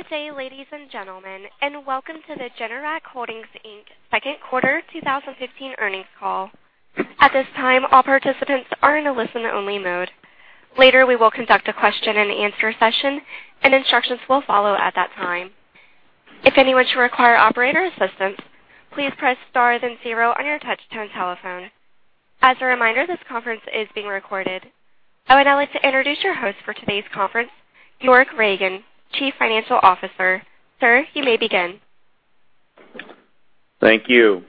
Good day, ladies and gentlemen, and welcome to the Generac Holdings Inc. second quarter 2015 earnings call. At this time, all participants are in a listen-only mode. Later, we will conduct a question and answer session, and instructions will follow at that time. If anyone should require operator assistance, please press star then zero on your touch-tone telephone. As a reminder, this conference is being recorded. I would now like to introduce your host for today's conference, York Ragen, Chief Financial Officer. Sir, you may begin. Thank you.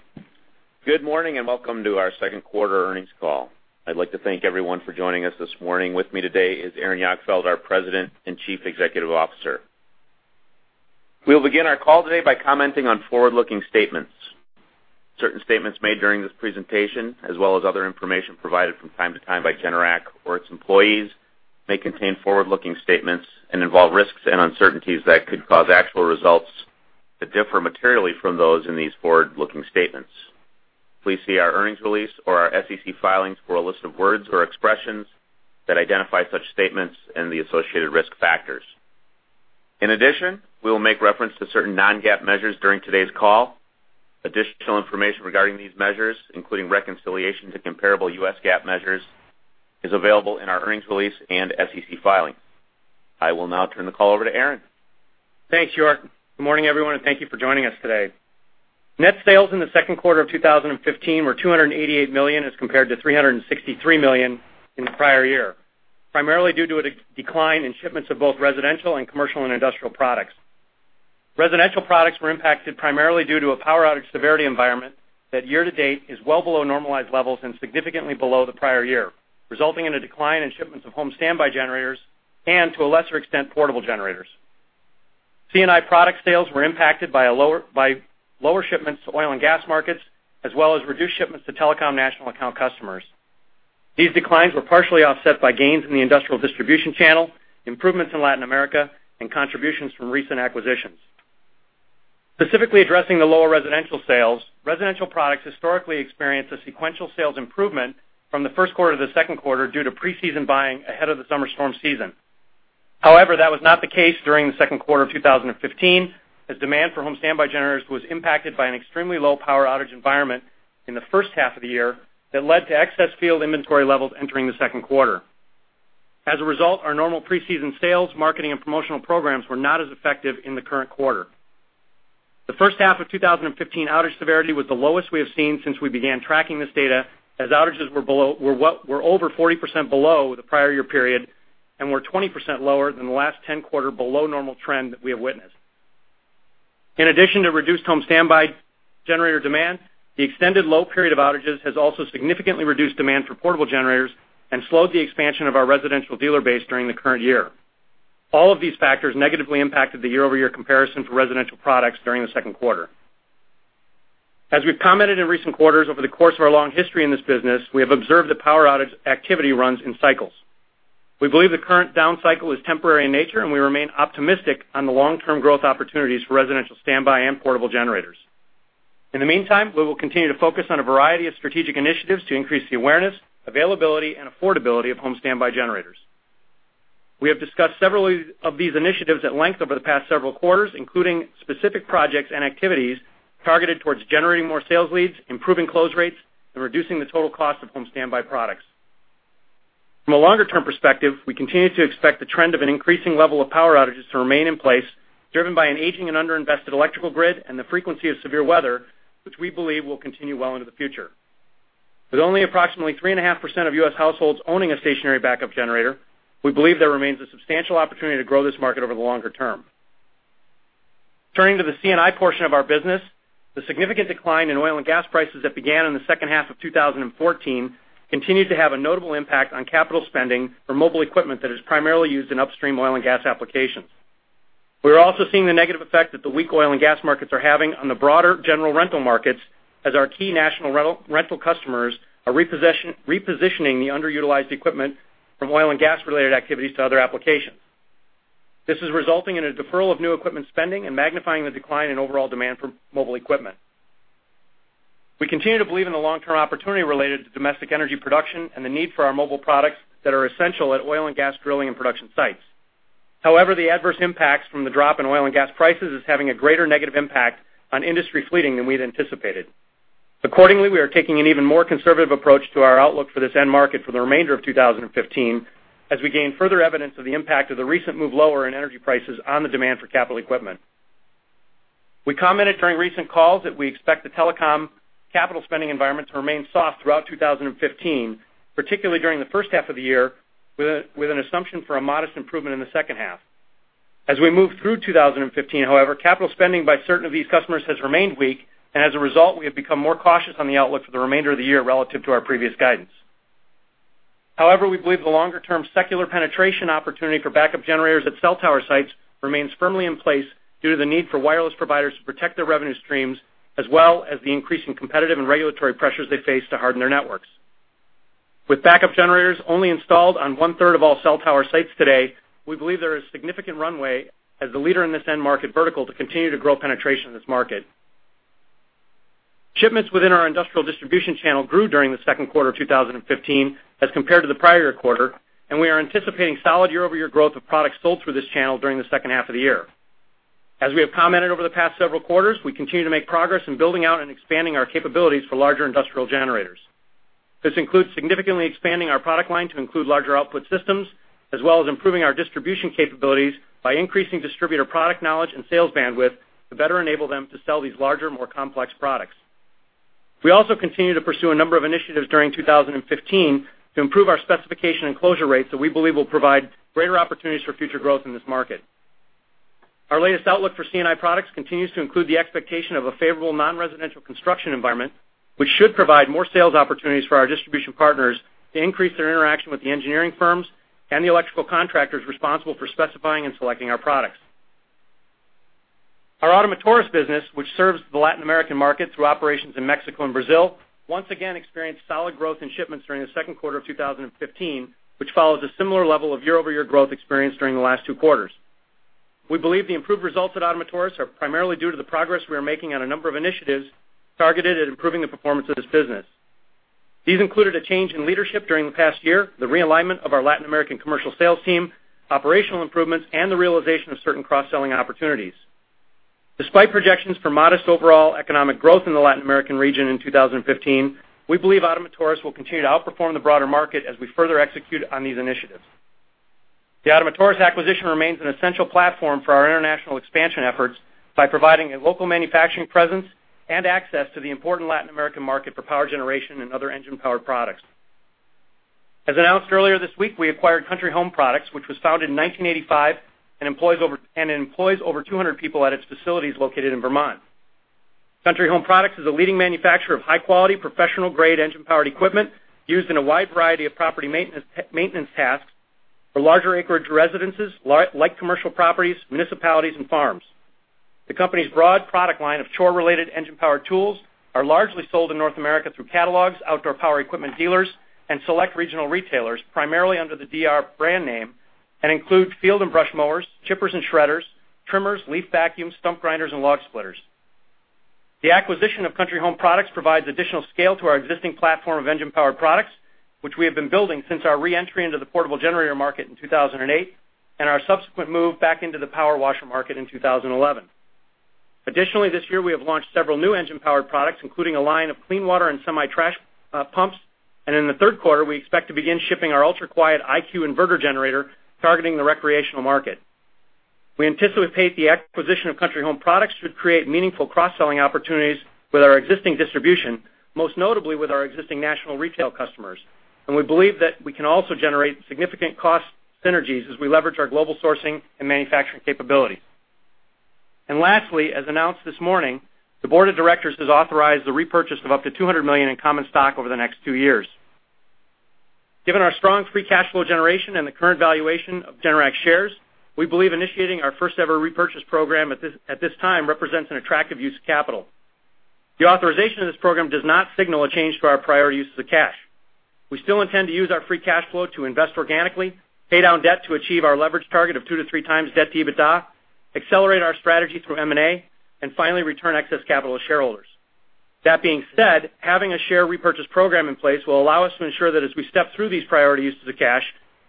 Good morning. Welcome to our second quarter earnings call. I'd like to thank everyone for joining us this morning. With me today is Aaron Jagdfeld, our President and Chief Executive Officer. We will begin our call today by commenting on forward-looking statements. Certain statements made during this presentation, as well as other information provided from time to time by Generac or its employees, may contain forward-looking statements and involve risks and uncertainties that could cause actual results to differ materially from those in these forward-looking statements. Please see our earnings release or our SEC filings for a list of words or expressions that identify such statements and the associated risk factors. We will make reference to certain non-GAAP measures during today's call. Additional information regarding these measures, including reconciliation to comparable U.S. GAAP measures, is available in our earnings release and SEC filings. I will now turn the call over to Aaron. Thanks, York. Good morning, everyone. Thank you for joining us today. Net sales in the second quarter of 2015 were $288 million as compared to $363 million in the prior year, primarily due to a decline in shipments of both residential and commercial and industrial products. Residential products were impacted primarily due to a power outage severity environment that year-to-date is well below normalized levels and significantly below the prior year, resulting in a decline in shipments of home standby generators and, to a lesser extent, portable generators. C&I product sales were impacted by lower shipments to oil and gas markets, as well as reduced shipments to telecom national account customers. These declines were partially offset by gains in the industrial distribution channel, improvements in Latin America, and contributions from recent acquisitions. Specifically addressing the lower residential sales, residential products historically experience a sequential sales improvement from the first quarter to the second quarter due to pre-season buying ahead of the summer storm season. That was not the case during the second quarter of 2015, as demand for home standby generators was impacted by an extremely low power outage environment in the first half of the year that led to excess field inventory levels entering the second quarter. As a result, our normal pre-season sales, marketing, and promotional programs were not as effective in the current quarter. The first half of 2015 outage severity was the lowest we have seen since we began tracking this data, as outages were over 40% below the prior year period and were 20% lower than the last 10 quarter below normal trend that we have witnessed. In addition to reduced home standby generator demand, the extended low period of outages has also significantly reduced demand for portable generators and slowed the expansion of our residential dealer base during the current year. All of these factors negatively impacted the year-over-year comparison for residential products during the second quarter. As we've commented in recent quarters, over the course of our long history in this business, we have observed the power outage activity runs in cycles. We believe the current down cycle is temporary in nature, and we remain optimistic on the long-term growth opportunities for residential standby and portable generators. In the meantime, we will continue to focus on a variety of strategic initiatives to increase the awareness, availability, and affordability of home standby generators. We have discussed several of these initiatives at length over the past several quarters, including specific projects and activities targeted towards generating more sales leads, improving close rates, and reducing the total cost of home standby products. From a longer-term perspective, we continue to expect the trend of an increasing level of power outages to remain in place, driven by an aging and underinvested electrical grid and the frequency of severe weather, which we believe will continue well into the future. With only approximately 3.5% of U.S. households owning a stationary backup generator, we believe there remains a substantial opportunity to grow this market over the longer term. Turning to the C&I portion of our business, the significant decline in oil and gas prices that began in the second half of 2014 continued to have a notable impact on capital spending for mobile equipment that is primarily used in upstream oil and gas applications. We are also seeing the negative effect that the weak oil and gas markets are having on the broader general rental markets, as our key national rental customers are repositioning the underutilized equipment from oil and gas related activities to other applications. This is resulting in a deferral of new equipment spending and magnifying the decline in overall demand for mobile equipment. We continue to believe in the long-term opportunity related to domestic energy production and the need for our mobile products that are essential at oil and gas drilling and production sites. However, the adverse impacts from the drop in oil and gas prices is having a greater negative impact on industry fleeting than we'd anticipated. Accordingly, we are taking an even more conservative approach to our outlook for this end market for the remainder of 2015 as we gain further evidence of the impact of the recent move lower in energy prices on the demand for capital equipment. We commented during recent calls that we expect the telecom capital spending environment to remain soft throughout 2015, particularly during the first half of the year, with an assumption for a modest improvement in the second half. As we move through 2015, however, capital spending by certain of these customers has remained weak, and as a result, we have become more cautious on the outlook for the remainder of the year relative to our previous guidance. We believe the longer-term secular penetration opportunity for backup generators at cell tower sites remains firmly in place due to the need for wireless providers to protect their revenue streams, as well as the increasing competitive and regulatory pressures they face to harden their networks. With backup generators only installed on one-third of all cell tower sites today, we believe there is significant runway as the leader in this end market vertical to continue to grow penetration in this market. Shipments within our industrial distribution channel grew during the second quarter of 2015 as compared to the prior quarter, and we are anticipating solid year-over-year growth of products sold through this channel during the second half of the year. As we have commented over the past several quarters, we continue to make progress in building out and expanding our capabilities for larger industrial generators. This includes significantly expanding our product line to include larger output systems, as well as improving our distribution capabilities by increasing distributor product knowledge and sales bandwidth to better enable them to sell these larger, more complex products. We also continue to pursue a number of initiatives during 2015 to improve our specification and closure rates that we believe will provide greater opportunities for future growth in this market. Our latest outlook for C&I products continues to include the expectation of a favorable non-residential construction environment, which should provide more sales opportunities for our distribution partners to increase their interaction with the engineering firms and the electrical contractors responsible for specifying and selecting our products. Our Ottomotores business, which serves the Latin American market through operations in Mexico and Brazil, once again experienced solid growth in shipments during the second quarter of 2015, which follows a similar level of year-over-year growth experienced during the last two quarters. We believe the improved results at Ottomotores are primarily due to the progress we are making on a number of initiatives targeted at improving the performance of this business. These included a change in leadership during the past year, the realignment of our Latin American commercial sales team, operational improvements, and the realization of certain cross-selling opportunities. Despite projections for modest overall economic growth in the Latin American region in 2015, we believe Ottomotores will continue to outperform the broader market as we further execute on these initiatives. The Ottomotores acquisition remains an essential platform for our international expansion efforts by providing a local manufacturing presence and access to the important Latin American market for power generation and other engine-powered products. As announced earlier this week, we acquired Country Home Products, which was founded in 1985 and employs over 200 people at its facilities located in Vermont. Country Home Products is a leading manufacturer of high-quality, professional-grade engine-powered equipment used in a wide variety of property maintenance tasks for larger acreage residences, light commercial properties, municipalities, and farms. The company's broad product line of chore-related engine-powered tools are largely sold in North America through catalogs, outdoor power equipment dealers, and select regional retailers, primarily under the DR brand name, and include field and brush mowers, chippers and shredders, trimmers, leaf vacuums, stump grinders, and log splitters. This year, we have launched several new engine-powered products, including a line of clean water and semi-trash pumps, and in the third quarter, we expect to begin shipping our ultra-quiet iQ inverter generator targeting the recreational market. We anticipate the acquisition of Country Home Products should create meaningful cross-selling opportunities with our existing distribution, most notably with our existing national retail customers. We believe that we can also generate significant cost synergies as we leverage our global sourcing and manufacturing capabilities. Lastly, as announced this morning, the board of directors has authorized the repurchase of up to $200 million in common stock over the next two years. Given our strong free cash flow generation and the current valuation of Generac shares, we believe initiating our first-ever repurchase program at this time represents an attractive use of capital. The authorization of this program does not signal a change to our prior uses of cash. We still intend to use our free cash flow to invest organically, pay down debt to achieve our leverage target of two to 3x debt to EBITDA, accelerate our strategy through M&A, and finally, return excess capital to shareholders. That being said, having a share repurchase program in place will allow us to ensure that as we step through these priorities to the cash,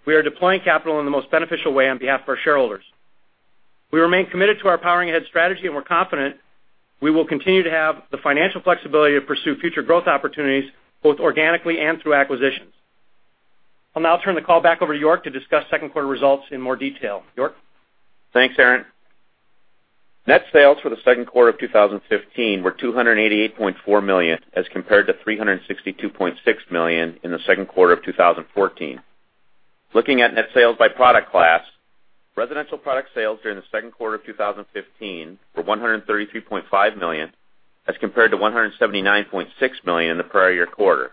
we are deploying capital in the most beneficial way on behalf of our shareholders. We remain committed to our Powering Ahead strategy. We're confident we will continue to have the financial flexibility to pursue future growth opportunities, both organically and through acquisitions. I'll now turn the call back over to York to discuss second quarter results in more detail. York? Thanks, Aaron. Net sales for the second quarter of 2015 were $288.4 million as compared to $362.6 million in the second quarter of 2014. Looking at net sales by product class, residential product sales during the second quarter of 2015 were $133.5 million as compared to $179.6 million in the prior year quarter.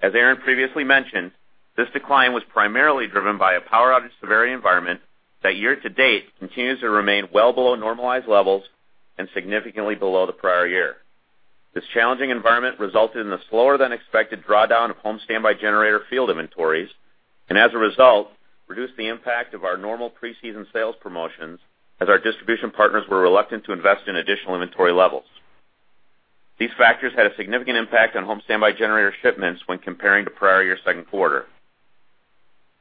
As Aaron previously mentioned, this decline was primarily driven by a power outage severity environment that year-to-date continues to remain well below normalized levels and significantly below the prior year. This challenging environment resulted in a slower-than-expected drawdown of home standby generator field inventories, and as a result, reduced the impact of our normal pre-season sales promotions as our distribution partners were reluctant to invest in additional inventory levels. These factors had a significant impact on home standby generator shipments when comparing to prior year second quarter.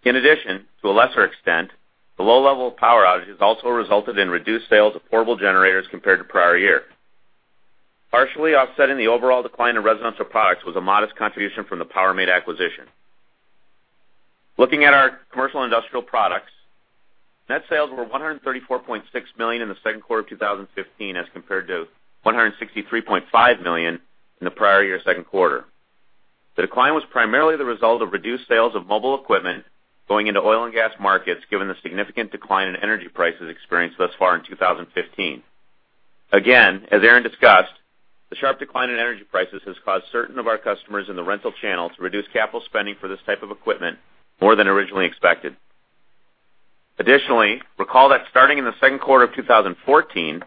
In addition, to a lesser extent, the low level of power outages also resulted in reduced sales of portable generators compared to prior year. Partially offsetting the overall decline in residential products was a modest contribution from the Powermate acquisition. Looking at our commercial industrial products, net sales were $134.6 million in the second quarter of 2015 as compared to $163.5 million in the prior year second quarter. The decline was primarily the result of reduced sales of mobile equipment going into oil and gas markets, given the significant decline in energy prices experienced thus far in 2015. Again, as Aaron discussed, the sharp decline in energy prices has caused certain of our customers in the rental channel to reduce capital spending for this type of equipment more than originally expected. Additionally, recall that starting in the second quarter of 2014,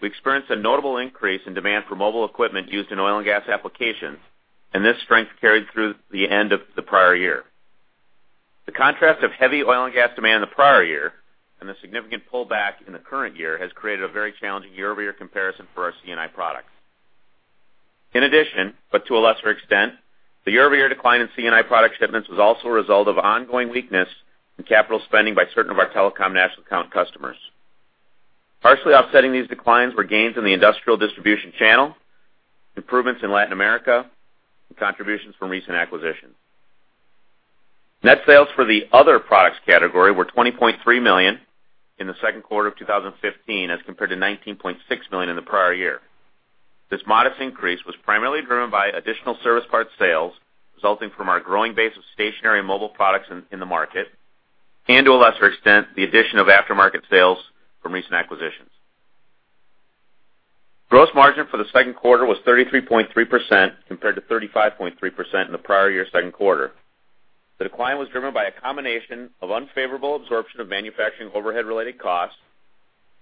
we experienced a notable increase in demand for mobile equipment used in oil and gas applications, and this strength carried through the end of the prior year. The contrast of heavy oil and gas demand in the prior year and the significant pullback in the current year has created a very challenging year-over-year comparison for our C&I products. In addition, but to a lesser extent, the year-over-year decline in C&I product shipments was also a result of ongoing weakness in capital spending by certain of our telecom national account customers. Partially offsetting these declines were gains in the industrial distribution channel, improvements in Latin America, and contributions from recent acquisitions. Net sales for the other products category were $20.3 million in the second quarter of 2015 as compared to $19.6 million in the prior year. This modest increase was primarily driven by additional service parts sales resulting from our growing base of stationary and mobile products in the market, and to a lesser extent, the addition of aftermarket sales from recent acquisitions. Gross margin for the second quarter was 33.3% compared to 35.3% in the prior year second quarter. The decline was driven by a combination of unfavorable absorption of manufacturing overhead related costs,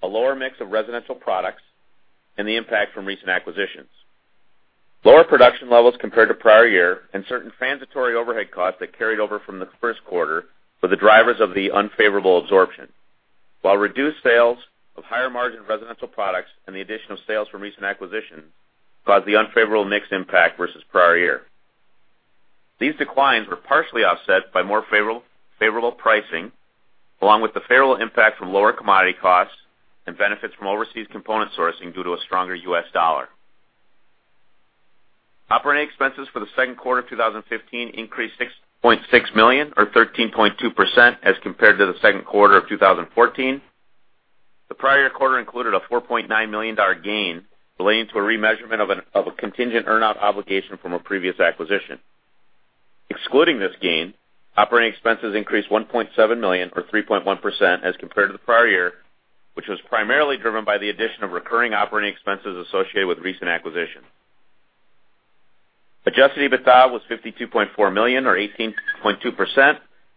a lower mix of residential products, and the impact from recent acquisitions. Lower production levels compared to prior year and certain transitory overhead costs that carried over from the first quarter were the drivers of the unfavorable absorption. While reduced sales of higher margin residential products and the addition of sales from recent acquisitions caused the unfavorable mix impact versus prior year. These declines were partially offset by more favorable pricing, along with the favorable impact from lower commodity costs and benefits from overseas component sourcing due to a stronger U.S. dollar. Operating expenses for the second quarter of 2015 increased $6.6 million or 13.2% as compared to the second quarter of 2014. The prior quarter included a $4.9 million gain relating to a remeasurement of a contingent earn-out obligation from a previous acquisition. Excluding this gain, operating expenses increased $1.7 million or 3.1% as compared to the prior year, which was primarily driven by the addition of recurring operating expenses associated with recent acquisitions. Adjusted EBITDA was $52.4 million or 18.2%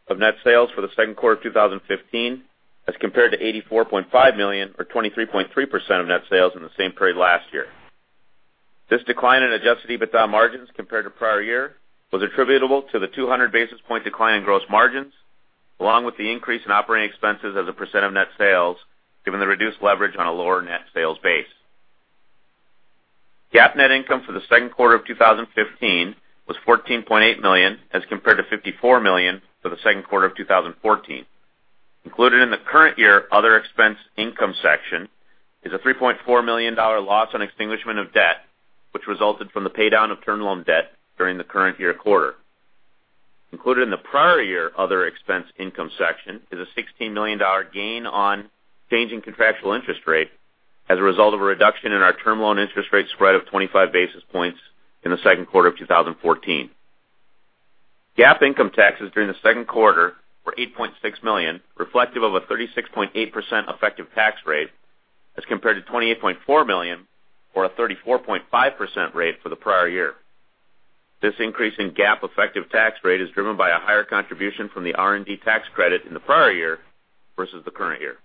of net sales for the second quarter of 2015 as compared to $84.5 million or 23.3% of net sales in the same period last year. This decline in adjusted EBITDA margins compared to prior year was attributable to the 200 basis point decline in gross margins, along with the increase in operating expenses as a percent of net sales, given the reduced leverage on a lower net sales base. GAAP net income for the second quarter of 2015 was $14.8 million as compared to $54 million for the second quarter of 2014. Included in the current year other expense income section is a $3.4 million loss on extinguishment of debt, which resulted from the paydown of term loan debt during the current year quarter. Included in the prior year other expense income section is a $16 million gain on changing contractual interest rate as a result of a reduction in our term loan interest rate spread of 25 basis points in the second quarter of 2014. GAAP income taxes during the second quarter were $8.6 million, reflective of a 36.8% effective tax rate as compared to $28.4 million or a 34.5% rate for the prior year. This increase in GAAP effective tax rate is driven by a higher contribution from the R&D tax credit in the prior year versus the current year.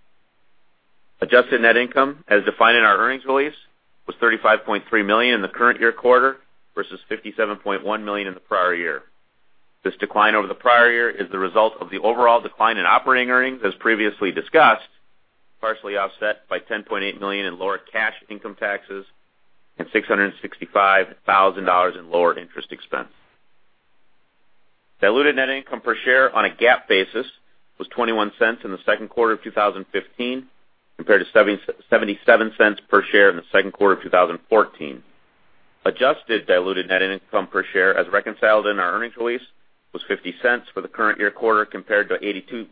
Adjusted net income, as defined in our earnings release, was $35.3 million in the current year quarter versus $57.1 million in the prior year. This decline over the prior year is the result of the overall decline in operating earnings, as previously discussed, partially offset by $10.8 million in lower cash income taxes and $665,000 in lower interest expense. Diluted net income per share on a GAAP basis was $0.21 in the second quarter of 2015 compared to $0.77 per share in the second quarter of 2014. Adjusted diluted net income per share, as reconciled in our earnings release, was $0.50 for the current year quarter compared to $0.82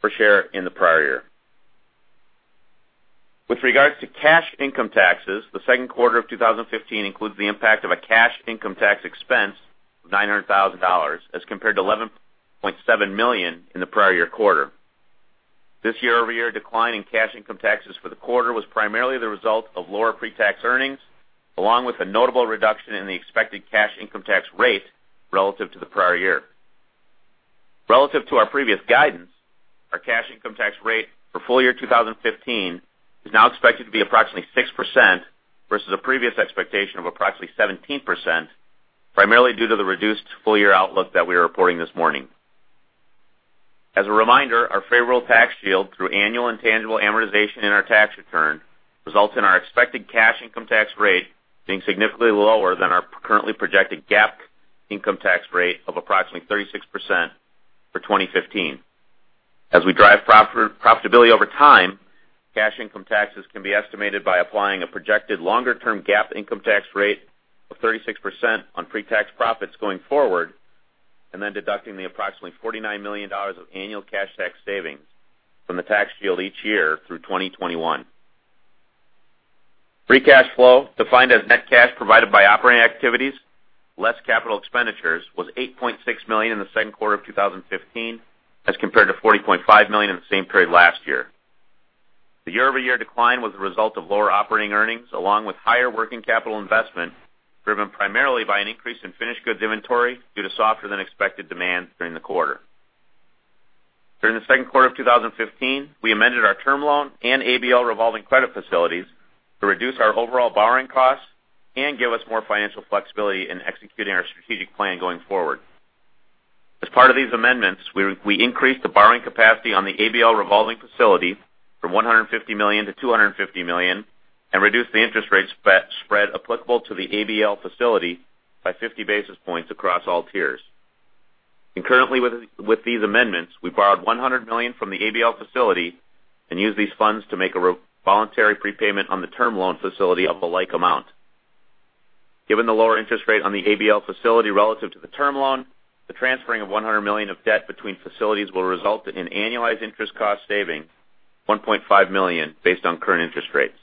per share in the prior year. With regards to cash income taxes, the second quarter of 2015 includes the impact of a cash income tax expense of $900,000 as compared to $11.7 million in the prior year quarter. This year-over-year decline in cash income taxes for the quarter was primarily the result of lower pre-tax earnings, along with a notable reduction in the expected cash income tax rate relative to the prior year. Relative to our previous guidance, our cash income tax rate for full-year 2015 is now expected to be approximately 6% versus a previous expectation of approximately 17%, primarily due to the reduced full-year outlook that we are reporting this morning. As a reminder, our favorable tax shield through annual intangible amortization in our tax return results in our expected cash income tax rate being significantly lower than our currently projected GAAP income tax rate of approximately 36% for 2015. As we drive profitability over time, cash income taxes can be estimated by applying a projected longer-term GAAP income tax rate of 36% on pre-tax profits going forward, and then deducting the approximately $49 million of annual cash tax savings from the tax shield each year through 2021. Free cash flow, defined as net cash provided by operating activities less capital expenditures was $8.6 million in the second quarter of 2015 as compared to $40.5 million in the same period last year. The year-over-year decline was the result of lower operating earnings along with higher working capital investment, driven primarily by an increase in finished goods inventory due to softer than expected demand during the quarter. During the second quarter of 2015, we amended our term loan and ABL revolving credit facilities to reduce our overall borrowing costs and give us more financial flexibility in executing our strategic plan going forward. As part of these amendments, we increased the borrowing capacity on the ABL revolving facility from $150 million to $250 million and reduced the interest rate spread applicable to the ABL facility by 50 basis points across all tiers. Concurrently with these amendments, we borrowed $100 million from the ABL facility and used these funds to make a voluntary prepayment on the term loan facility of a like amount. Given the lower interest rate on the ABL facility relative to the term loan, the transferring of $100 million of debt between facilities will result in annualized interest cost saving $1.5 million based on current interest rates.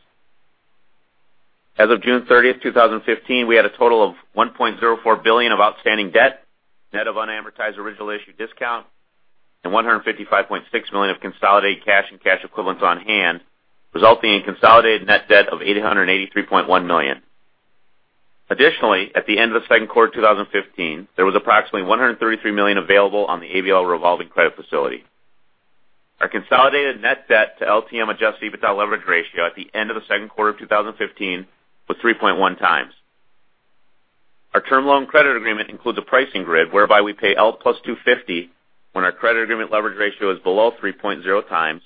As of June 30th, 2015, we had a total of $1.04 billion of outstanding debt, net of unamortized original issue discount, and $155.6 million of consolidated cash and cash equivalents on hand, resulting in consolidated net debt of $883.1 million. Additionally, at the end of the second quarter of 2015, there was approximately $133 million available on the ABL revolving credit facility. Our consolidated net debt to LTM adjusted EBITDA leverage ratio at the end of the second quarter of 2015 was 3.1x. Our term loan credit agreement includes a pricing grid whereby we pay L+250 when our credit agreement leverage ratio is below 3.0x,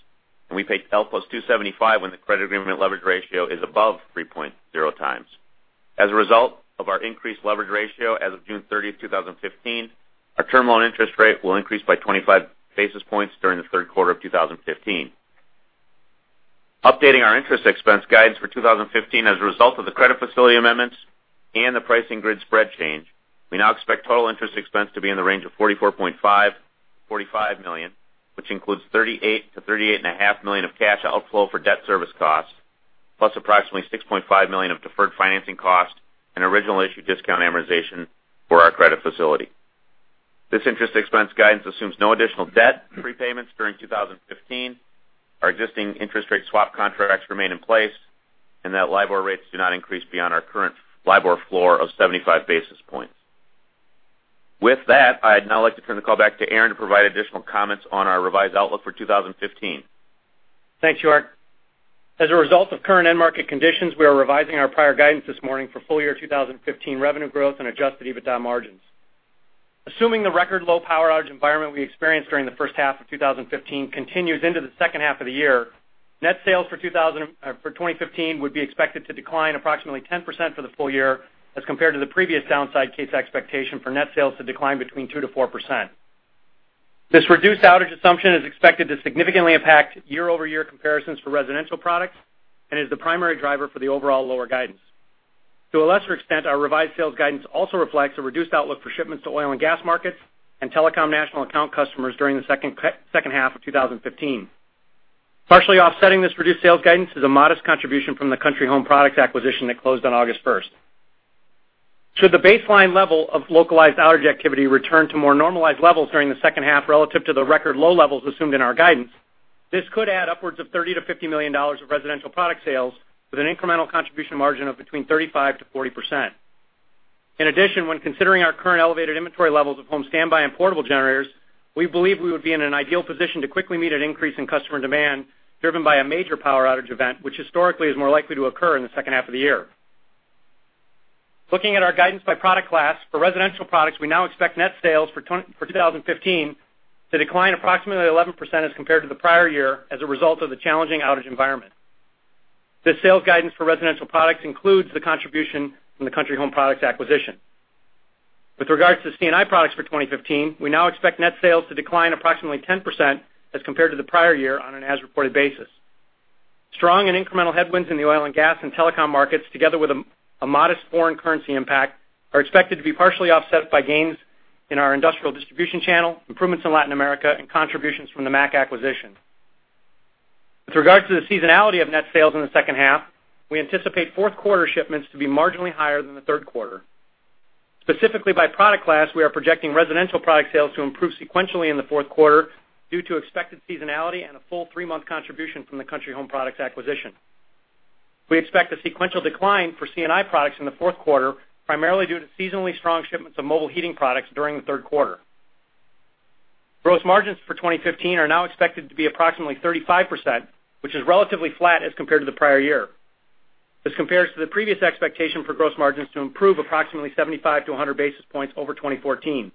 and we pay L+275 when the credit agreement leverage ratio is above 3.0x. As a result of our increased leverage ratio as of June 30th, 2015, our term loan interest rate will increase by 25 basis points during the third quarter of 2015. Updating our interest expense guidance for 2015 as a result of the credit facility amendments and the pricing grid spread change, we now expect total interest expense to be in the range of $44.5 million-$45 million, which includes $38 million-$38.5 million of cash outflow for debt service costs, plus approximately $6.5 million of deferred financing cost and original issue discount amortization for our credit facility. This interest expense guidance assumes no additional debt prepayments during 2015, our existing interest rate swap contracts remain in place, and that LIBOR rates do not increase beyond our current LIBOR floor of 75 basis points. With that, I'd now like to turn the call back to Aaron to provide additional comments on our revised outlook for 2015. Thanks, York. As a result of current end-market conditions, we are revising our prior guidance this morning for full-year 2015 revenue growth and adjusted EBITDA margins. Assuming the record low power outage environment we experienced during the first half of 2015 continues into the second half of the year, net sales for 2015 would be expected to decline approximately 10% for the full-year as compared to the previous downside case expectation for net sales to decline between 2%-4%. This reduced outage assumption is expected to significantly impact year-over-year comparisons for residential products and is the primary driver for the overall lower guidance. To a lesser extent, our revised sales guidance also reflects a reduced outlook for shipments to oil and gas markets and telecom national account customers during the second half of 2015. Partially offsetting this reduced sales guidance is a modest contribution from the Country Home Products acquisition that closed on August 1st. Should the baseline level of localized outage activity return to more normalized levels during the second half relative to the record low levels assumed in our guidance, this could add upwards of $30 million-$50 million of residential product sales with an incremental contribution margin of between 35%-40%. In addition, when considering our current elevated inventory levels of home standby and portable generators, we believe we would be in an ideal position to quickly meet an increase in customer demand driven by a major power outage event, which historically is more likely to occur in the second half of the year. Looking at our guidance by product class, for residential products, we now expect net sales for 2015 to decline approximately 11% as compared to the prior year as a result of the challenging outage environment. This sales guidance for residential products includes the contribution from the Country Home Products acquisition. With regards to C&I products for 2015, we now expect net sales to decline approximately 10% as compared to the prior year on an as-reported basis. Strong and incremental headwinds in the oil and gas and telecom markets, together with a modest foreign currency impact, are expected to be partially offset by gains in our industrial distribution channel, improvements in Latin America, and contributions from the MAC acquisition. With regards to the seasonality of net sales in the second half, we anticipate fourth quarter shipments to be marginally higher than the third quarter. Specifically, by product class, we are projecting residential product sales to improve sequentially in the fourth quarter due to expected seasonality and a full three-month contribution from the Country Home Products acquisition. We expect a sequential decline for C&I products in the fourth quarter, primarily due to seasonally strong shipments of mobile heating products during the third quarter. Gross margins for 2015 are now expected to be approximately 35%, which is relatively flat as compared to the prior year. This compares to the previous expectation for gross margins to improve approximately 75-100 basis points over 2014.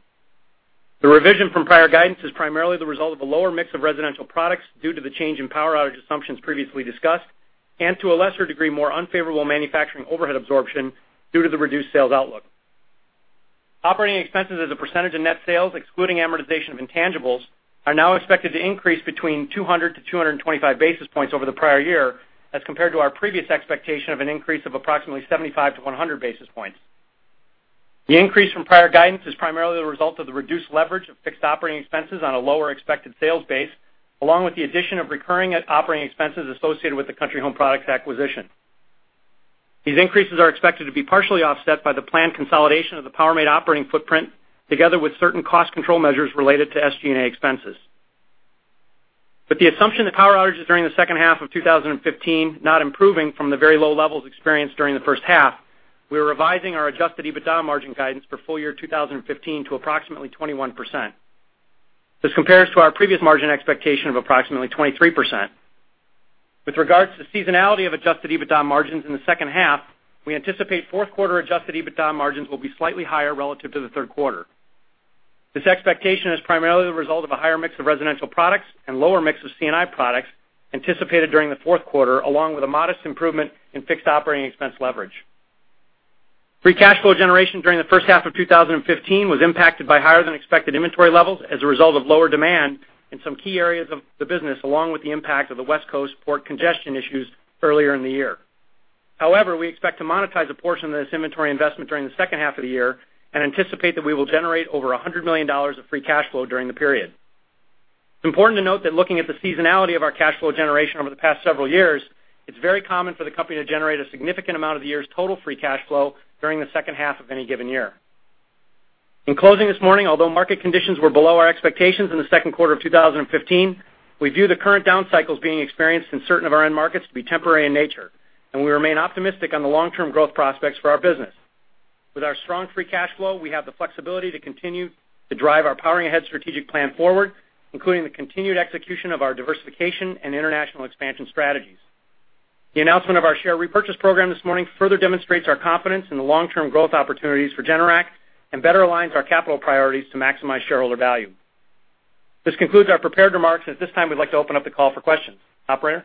The revision from prior guidance is primarily the result of a lower mix of residential products due to the change in power outage assumptions previously discussed, and to a lesser degree, more unfavorable manufacturing overhead absorption due to the reduced sales outlook. Operating expenses as a percentage of net sales, excluding amortization of intangibles, are now expected to increase between 200 and 225 basis points over the prior year as compared to our previous expectation of an increase of approximately 75-100 basis points. The increase from prior guidance is primarily the result of the reduced leverage of fixed operating expenses on a lower expected sales base, along with the addition of recurring operating expenses associated with the Country Home Products acquisition. These increases are expected to be partially offset by the planned consolidation of the Powermate operating footprint, together with certain cost control measures related to SG&A expenses. With the assumption that power outages during the second half of 2015 not improving from the very low levels experienced during the first half, we are revising our adjusted EBITDA margin guidance for full-year 2015 to approximately 21%. This compares to our previous margin expectation of approximately 23%. With regards to seasonality of adjusted EBITDA margins in the second half, we anticipate fourth quarter adjusted EBITDA margins will be slightly higher relative to the third quarter. This expectation is primarily the result of a higher mix of residential products and lower mix of C&I products anticipated during the fourth quarter, along with a modest improvement in fixed operating expense leverage. Free cash flow generation during the first half of 2015 was impacted by higher than expected inventory levels as a result of lower demand in some key areas of the business, along with the impact of the West Coast port congestion issues earlier in the year. However, we expect to monetize a portion of this inventory investment during the second half of the year and anticipate that we will generate over $100 million of free cash flow during the period. It's important to note that looking at the seasonality of our cash flow generation over the past several years, it's very common for the company to generate a significant amount of the year's total free cash flow during the second half of any given year. In closing this morning, although market conditions were below our expectations in the second quarter of 2015, we view the current down cycles being experienced in certain of our end markets to be temporary in nature, and we remain optimistic on the long-term growth prospects for our business. With our strong free cash flow, we have the flexibility to continue to drive our Powering Ahead strategic plan forward, including the continued execution of our diversification and international expansion strategies. The announcement of our share repurchase program this morning further demonstrates our confidence in the long-term growth opportunities for Generac and better aligns our capital priorities to maximize shareholder value. This concludes our prepared remarks. At this time, we'd like to open up the call for questions. Operator?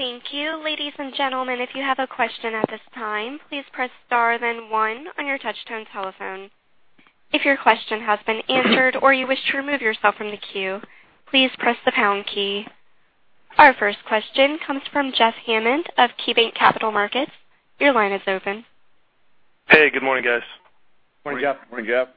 Thank you. Ladies and gentlemen, if you have a question at this time, please press star then one on your touch-tone telephone. If your question has been answered or you wish to remove yourself from the queue, please press the pound key. Our first question comes from Jeff Hammond of KeyBanc Capital Markets. Your line is open. Hey, good morning, guys. Morning, Jeff. Morning, Jeff.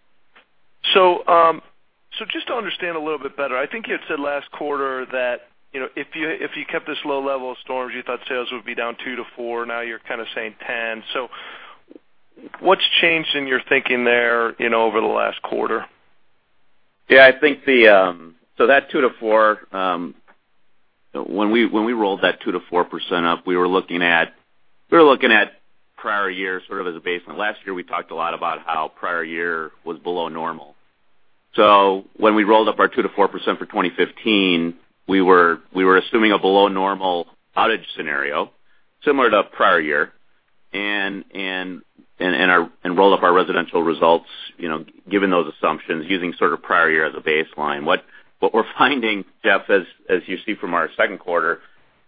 Just to understand a little bit better, I think you had said last quarter that if you kept this low level of storms, you thought sales would be down 2%-4%. Now you're kind of saying 10%. What's changed in your thinking there over the last quarter? Yeah. That 2%-4%, when we rolled that 2%-4% up, we were looking at prior year sort of as a baseline. Last year, we talked a lot about how prior year was below normal. When we rolled up our 2%-4% for 2015, we were assuming a below normal outage scenario, similar to prior year, and rolled up our residential results given those assumptions, using sort of prior year as a baseline. What we're finding, Jeff, as you see from our second quarter,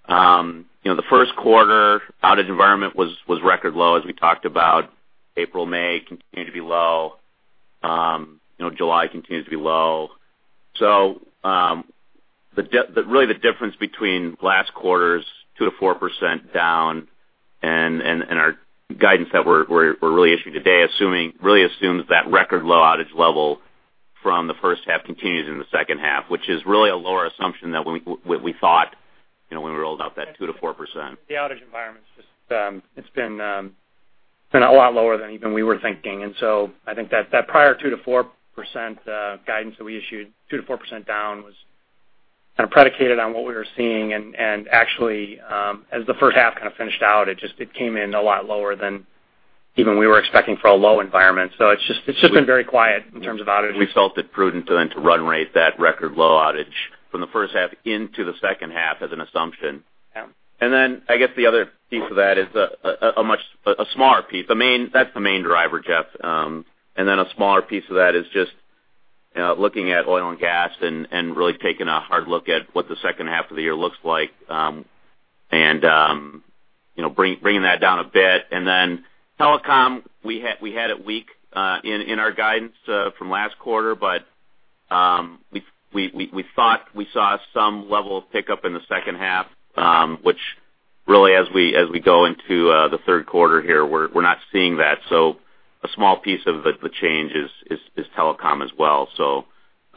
the first quarter outage environment was record low, as we talked about. April, May continued to be low. July continues to be low. Really the difference between last quarter's 2%-4% down and our guidance that we're really issuing today, really assumes that record low outage level from the first half continues in the second half, which is really a lower assumption than what we thought when we rolled out that 2%-4%. The outage environment, it's been a lot lower than even we were thinking. I think that prior 2%-4% guidance that we issued, 2%-4% down, was predicated on what we were seeing. Actually, as the first half finished out, it came in a lot lower than even we were expecting for a low environment. It's just been very quiet in terms of outages. We felt it prudent then to run rate that record low outage from the first half into the second half as an assumption. Yeah. The other piece of that is a smaller piece. That's the main driver, Jeff. A smaller piece of that is looking at oil and gas and taking a hard look at what the second half of the year looks like, and bringing that down a bit. Telecom, we had it weak in our guidance from last quarter, but we thought we saw some level of pickup in the second half, which as we go into the third quarter here, we're not seeing that. A small piece of the change is telecom as well.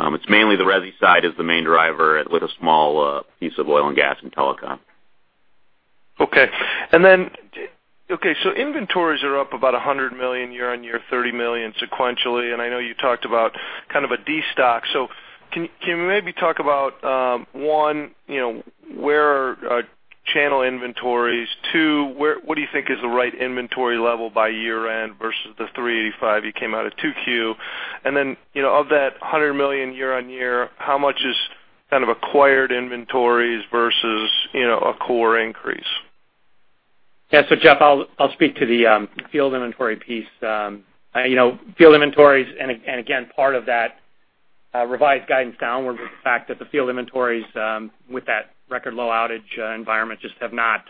It's mainly the resi side is the main driver with a small piece of oil and gas and telecom. Okay. Inventories are up about $100 million year-over-year, $30 million sequentially, and I know you talked about a destock. Can you maybe talk about, one, where are channel inventories? Two, what do you think is the right inventory level by year end versus the $385 million you came out at 2Q? Of that $100 million year-over-year, how much is acquired inventories versus a core increase? Yeah. Jeff, I'll speak to the field inventory piece. Field inventories, again, part of that revised guidance downward was the fact that the field inventories, with that record low outage environment, just have not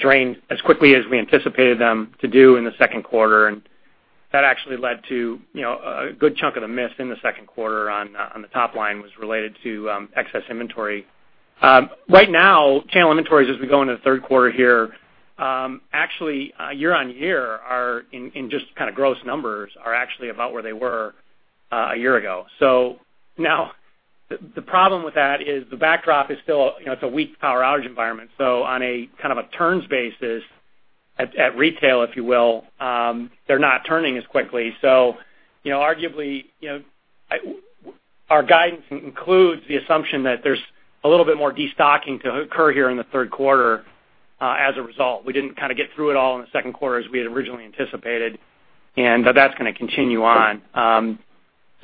drained as quickly as we anticipated them to do in the second quarter. That actually led to a good chunk of the miss in the second quarter on the top line was related to excess inventory. Right now, channel inventories as we go into the third quarter here, actually year-over-year, in just kind of gross numbers, are actually about where they were a year ago. Now the problem with that is the backdrop is still it's a weak power outage environment. On a kind of turns basis at retail, if you will, they're not turning as quickly. Arguably, our guidance includes the assumption that there's a little bit more de-stocking to occur here in the third quarter as a result. We didn't kind of get through it all in the second quarter as we had originally anticipated, that's going to continue on.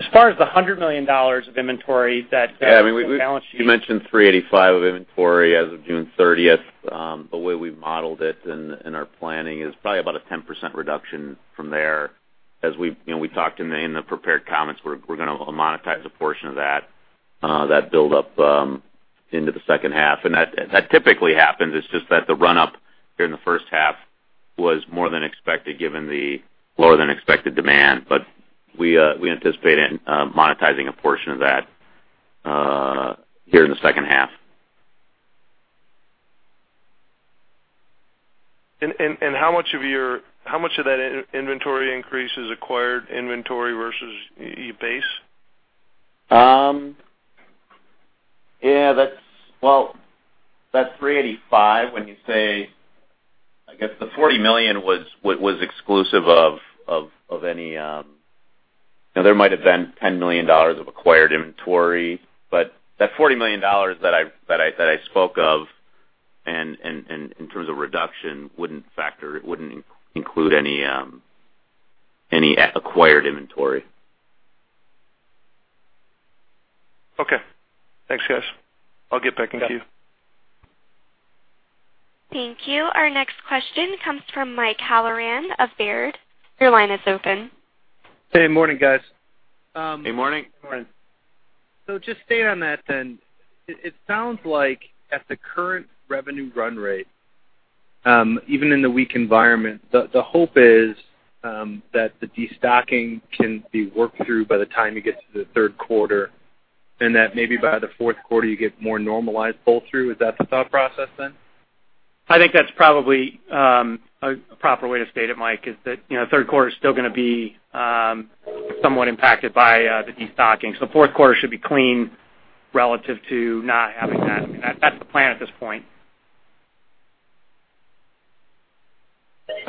As far as the $100 million of inventory that- Yeah, you mentioned $385 million of inventory as of June 30th. The way we've modeled it in our planning is probably about a 10% reduction from there. As we talked in the prepared comments, we're going to monetize a portion of that build-up into the second half. That typically happens. It's just that the run-up during the first half was more than expected given the lower than expected demand. We anticipate monetizing a portion of that here in the second half. How much of that inventory increase is acquired inventory versus e-base? That $385 million, when you say, I guess the $40 million was exclusive of any there might have been $10 million of acquired inventory, that $40 million that I spoke of, and in terms of reduction, wouldn't include any acquired inventory. Thanks, guys. I'll get back in queue. Thank you. Our next question comes from Mike Halloran of Baird. Your line is open. Good morning, guys. Good morning. Good morning. Just stay on that then. It sounds like at the current revenue run rate, even in the weak environment, the hope is that the de-stocking can be worked through by the time you get to the third quarter, and that maybe by the fourth quarter you get more normalized pull through. Is that the thought process then? I think that's probably a proper way to state it, Mike, is that third quarter is still going to be somewhat impacted by the de-stocking. The fourth quarter should be clean relative to not having that. That's the plan at this point.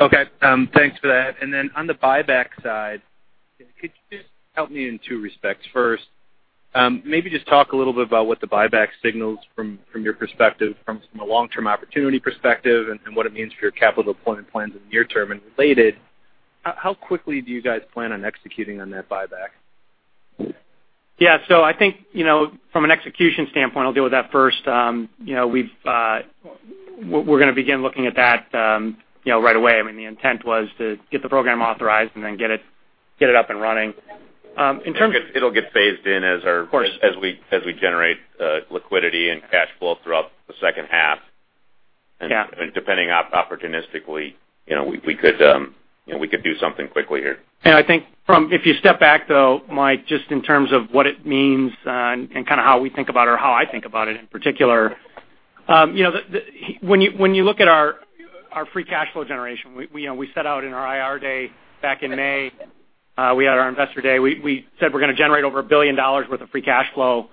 Okay. Thanks for that. On the buyback side, could you just help me in two respects? First, maybe just talk a little bit about what the buyback signals from your perspective, from a long-term opportunity perspective, and what it means for your capital deployment plans in the near term. Related, how quickly do you guys plan on executing on that buyback? Yeah. From an execution standpoint, I'll deal with that first. We're going to begin looking at that right away. The intent was to get the program authorized and then get it up and running. It'll get phased in- Of course. As we generate liquidity and cash flow throughout the second half. Yeah. Depending on, opportunistically, we could do something quickly here. I think if you step back, though, Mike, just in terms of what it means and kind of how we think about it or how I think about it in particular. When you look at our free cash flow generation, we set out in our Investor Day back in May. We had our Investor Day. We said we're going to generate over $1 billion worth of free cash flow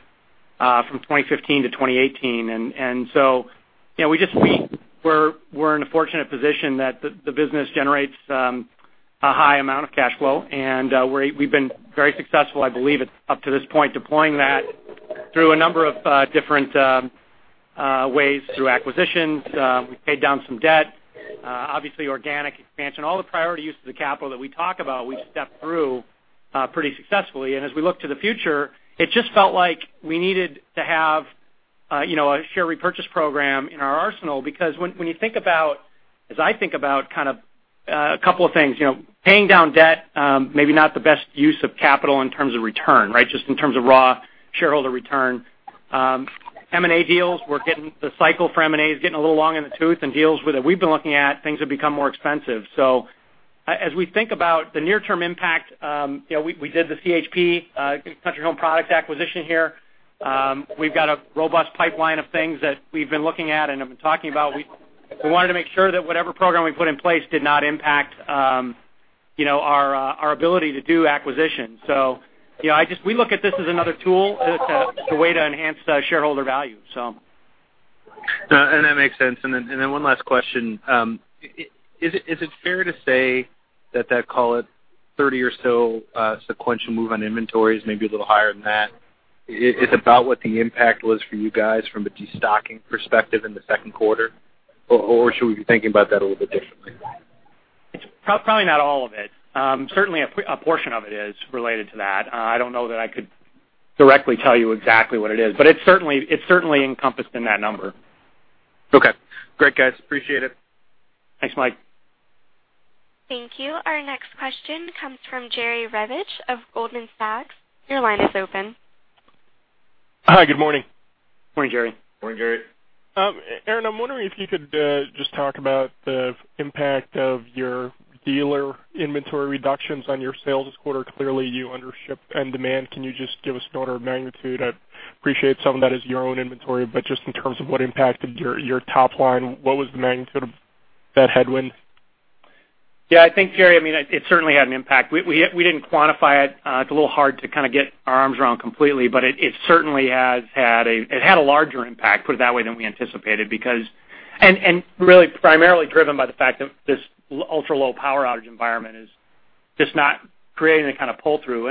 from 2015-2018. We're in a fortunate position that the business generates a high amount of cash flow. We've been very successful, I believe, up to this point, deploying that through a number of different ways, through acquisitions. We paid down some debt, obviously organic expansion. All the priority uses of capital that we talk about, we stepped through pretty successfully. As we look to the future, it just felt like we needed to have a share repurchase program in our arsenal. Because when you think about, as I think about kind of a couple of things, paying down debt, maybe not the best use of capital in terms of return, right? Just in terms of raw shareholder return. M&A deals, the cycle for M&A is getting a little long in the tooth and deals that we've been looking at, things have become more expensive. As we think about the near-term impact, we did the CHP, Country Home Products acquisition here. We've got a robust pipeline of things that we've been looking at and have been talking about. We wanted to make sure that whatever program we put in place did not impact our ability to do acquisitions. We look at this as another tool as a way to enhance shareholder value. That makes sense. One last question. Is it fair to say that that, call it $30 million or so sequential move on inventories, maybe a little higher than that, is about what the impact was for you guys from a de-stocking perspective in the second quarter? Should we be thinking about that a little bit differently? It's probably not all of it. Certainly a portion of it is related to that. I don't know that I could directly tell you exactly what it is, but it's certainly encompassed in that number. Okay. Great guys, appreciate it. Thanks, Mike. Thank you. Our next question comes from Jerry Revich of Goldman Sachs. Your line is open. Hi, good morning. Morning, Jerry. Morning, Jerry. Aaron, I'm wondering if you could just talk about the impact of your dealer inventory reductions on your sales this quarter. Clearly you undershipped end demand. Can you just give us an order of magnitude? I appreciate some of that is your own inventory, just in terms of what impacted your top line, what was the magnitude of that headwind? I think, Jerry, it certainly had an impact. We didn't quantify it. It's a little hard to get our arms around completely, it had a larger impact, put it that way, than we anticipated primarily driven by the fact that this ultra low power outage environment is just not creating a pull through.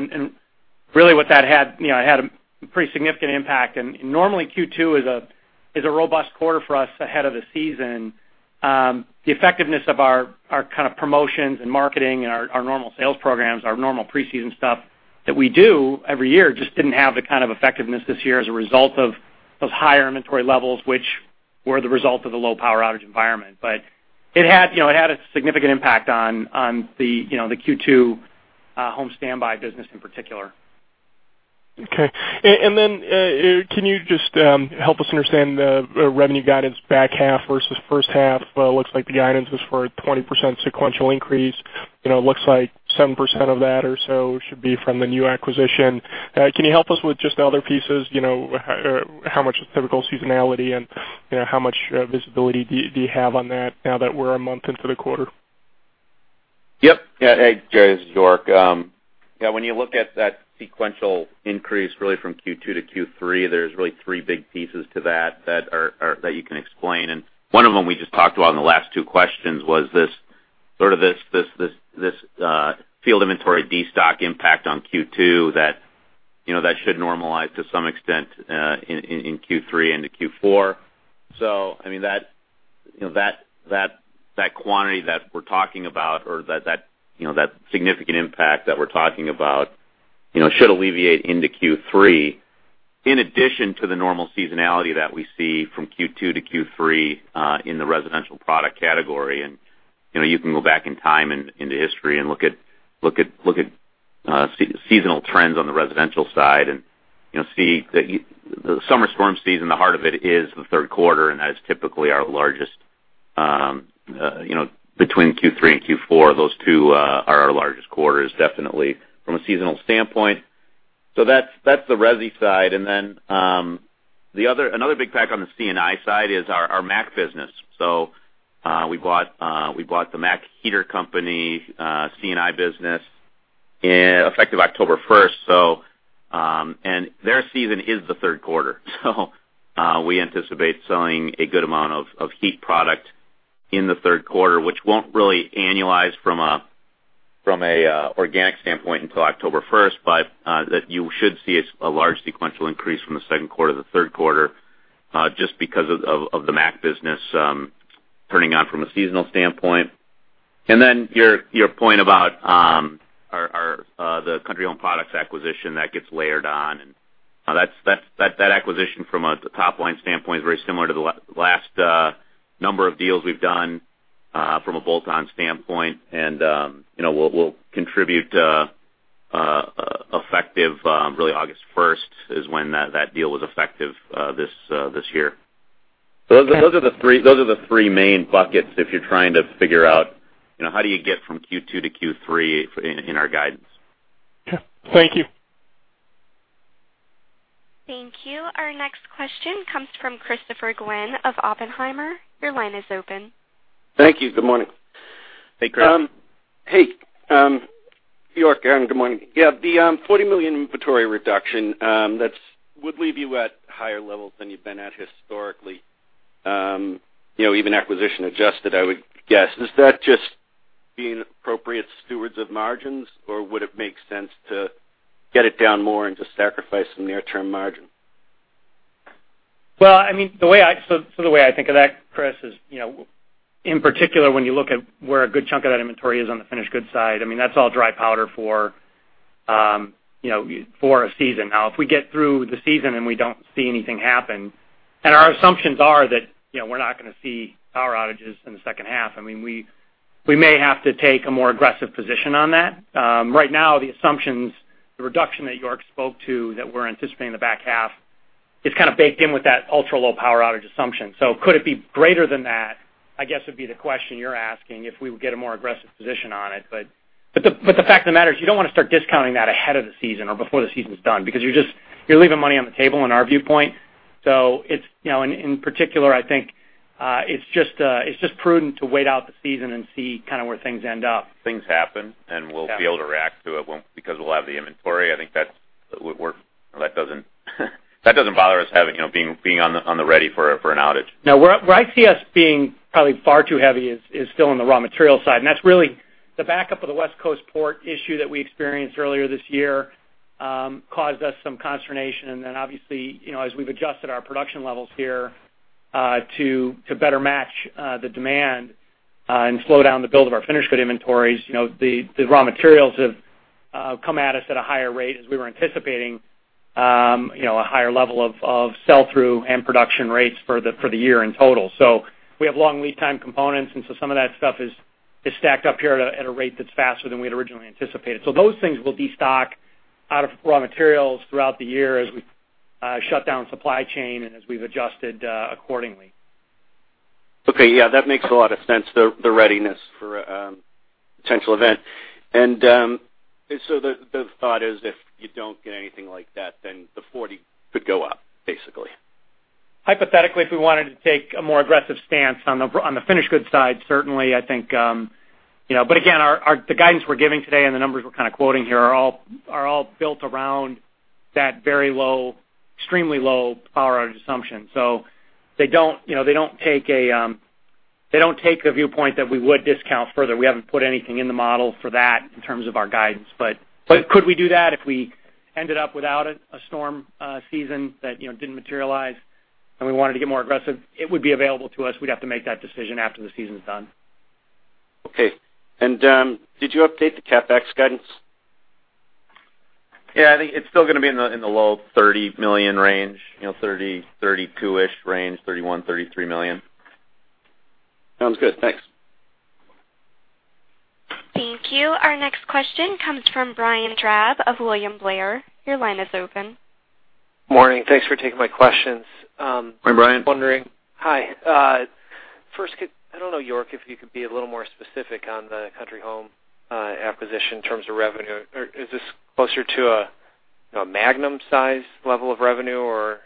Really what that had, it had a pretty significant impact. Normally Q2 is a robust quarter for us ahead of the season. The effectiveness of our promotions and marketing and our normal sales programs, our normal preseason stuff that we do every year, just didn't have the kind of effectiveness this year as a result of higher inventory levels, which were the result of the low power outage environment. It had a significant impact on the Q2 home standby business in particular. Okay. Can you just help us understand the revenue guidance back half versus first half? It looks like the guidance was for a 20% sequential increase. It looks like 7% of that or so should be from the new acquisition. Can you help us with just the other pieces, how much is typical seasonality and how much visibility do you have on that now that we're a month into the quarter? Yep. Hey, Jerry, this is York. When you look at that sequential increase really from Q2 to Q3, there's really three big pieces to that you can explain. One of them we just talked about in the last two questions was this field inventory destock impact on Q2 that should normalize to some extent in Q3 into Q4. That quantity that we're talking about or that significant impact that we're talking about should alleviate into Q3 in addition to the normal seasonality that we see from Q2 to Q3 in the residential product category. You can go back in time into history and look at seasonal trends on the residential side and see the summer storm season, the heart of it is the third quarter, and that is typically our largest between Q3 and Q4. Those two are our largest quarters definitely from a seasonal standpoint. That's the resi side. Another big factor on the C&I side is our MAC business. We bought the MAC Heater company C&I business effective October 1st. Their season is the third quarter. We anticipate selling a good amount of heat product in the third quarter, which won't really annualize from a organic standpoint until October 1st. You should see a large sequential increase from the second quarter to the third quarter just because of the MAC business turning on from a seasonal standpoint. Your point about the Country Home Products acquisition that gets layered on and that acquisition from a top-line standpoint is very similar to the last number of deals we've done from a bolt-on standpoint. Will contribute effective really August 1st is when that deal was effective this year. Those are the three main buckets if you're trying to figure out how do you get from Q2 to Q3 in our guidance. Okay. Thank you. Thank you. Our next question comes from Christopher Glynn of Oppenheimer. Your line is open. Thank you. Good morning. Hey, Chris. Hey York and good morning. Yeah, the $40 million inventory reduction would leave you at higher levels than you've been at historically even acquisition adjusted I would guess. Is that just being appropriate stewards of margins or would it make sense to get it down more and to sacrifice some near-term margin? The way I think of that, Chris, is in particular when you look at where a good chunk of that inventory is on the finished goods side, that's all dry powder for a season. If we get through the season and we don't see anything happen, and our assumptions are that we're not going to see power outages in the second half. We may have to take a more aggressive position on that. Right now, the assumptions, the reduction that York spoke to that we're anticipating in the back half is kind of baked in with that ultra low power outage assumption. Could it be greater than that I guess would be the question you're asking if we would get a more aggressive position on it. The fact of the matter is you don't want to start discounting that ahead of the season or before the season's done because you're leaving money on the table in our viewpoint. In particular I think it's just prudent to wait out the season and see where things end up. Things happen and we'll be able to react to it because we'll have the inventory. That doesn't bother us being on the ready for an outage. No. Where I see us being probably far too heavy is still on the raw material side. That's really the backup of the West Coast port issue that we experienced earlier this year caused us some consternation. Then obviously as we've adjusted our production levels here to better match the demand and slow down the build of our finished good inventories, the raw materials have come at us at a higher rate as we were anticipating a higher level of sell through and production rates for the year in total. We have long lead time components some of that stuff is stacked up here at a rate that's faster than we had originally anticipated. Those things will destock out of raw materials throughout the year as we shut down supply chain and as we've adjusted accordingly. Okay. Yeah, that makes a lot of sense, the readiness for a potential event. The thought is if you don't get anything like that, then the $40 million could go up basically? Hypothetically, if we wanted to take a more aggressive stance on the finished goods side, certainly, I think again, the guidance we're giving today and the numbers we're kind of quoting here are all built around that very low, extremely low power outage assumption. They don't take a viewpoint that we would discount further. We haven't put anything in the model for that in terms of our guidance. Could we do that if we ended up without a storm season that didn't materialize, and we wanted to get more aggressive? It would be available to us. We'd have to make that decision after the season's done. Okay. Did you update the CapEx guidance? Yeah. I think it's still going to be in the low $30 million range, $30 million, $32 million-ish range, $31 million-$33 million. Sounds good. Thanks. Thank you. Our next question comes from Brian Drab of William Blair. Your line is open. Morning. Thanks for taking my questions. Hi, Brian. Wondering. Hi. First, I don't know, York, if you could be a little more specific on the Country Home acquisition in terms of revenue, or is this closer to a Magnum size level of revenue or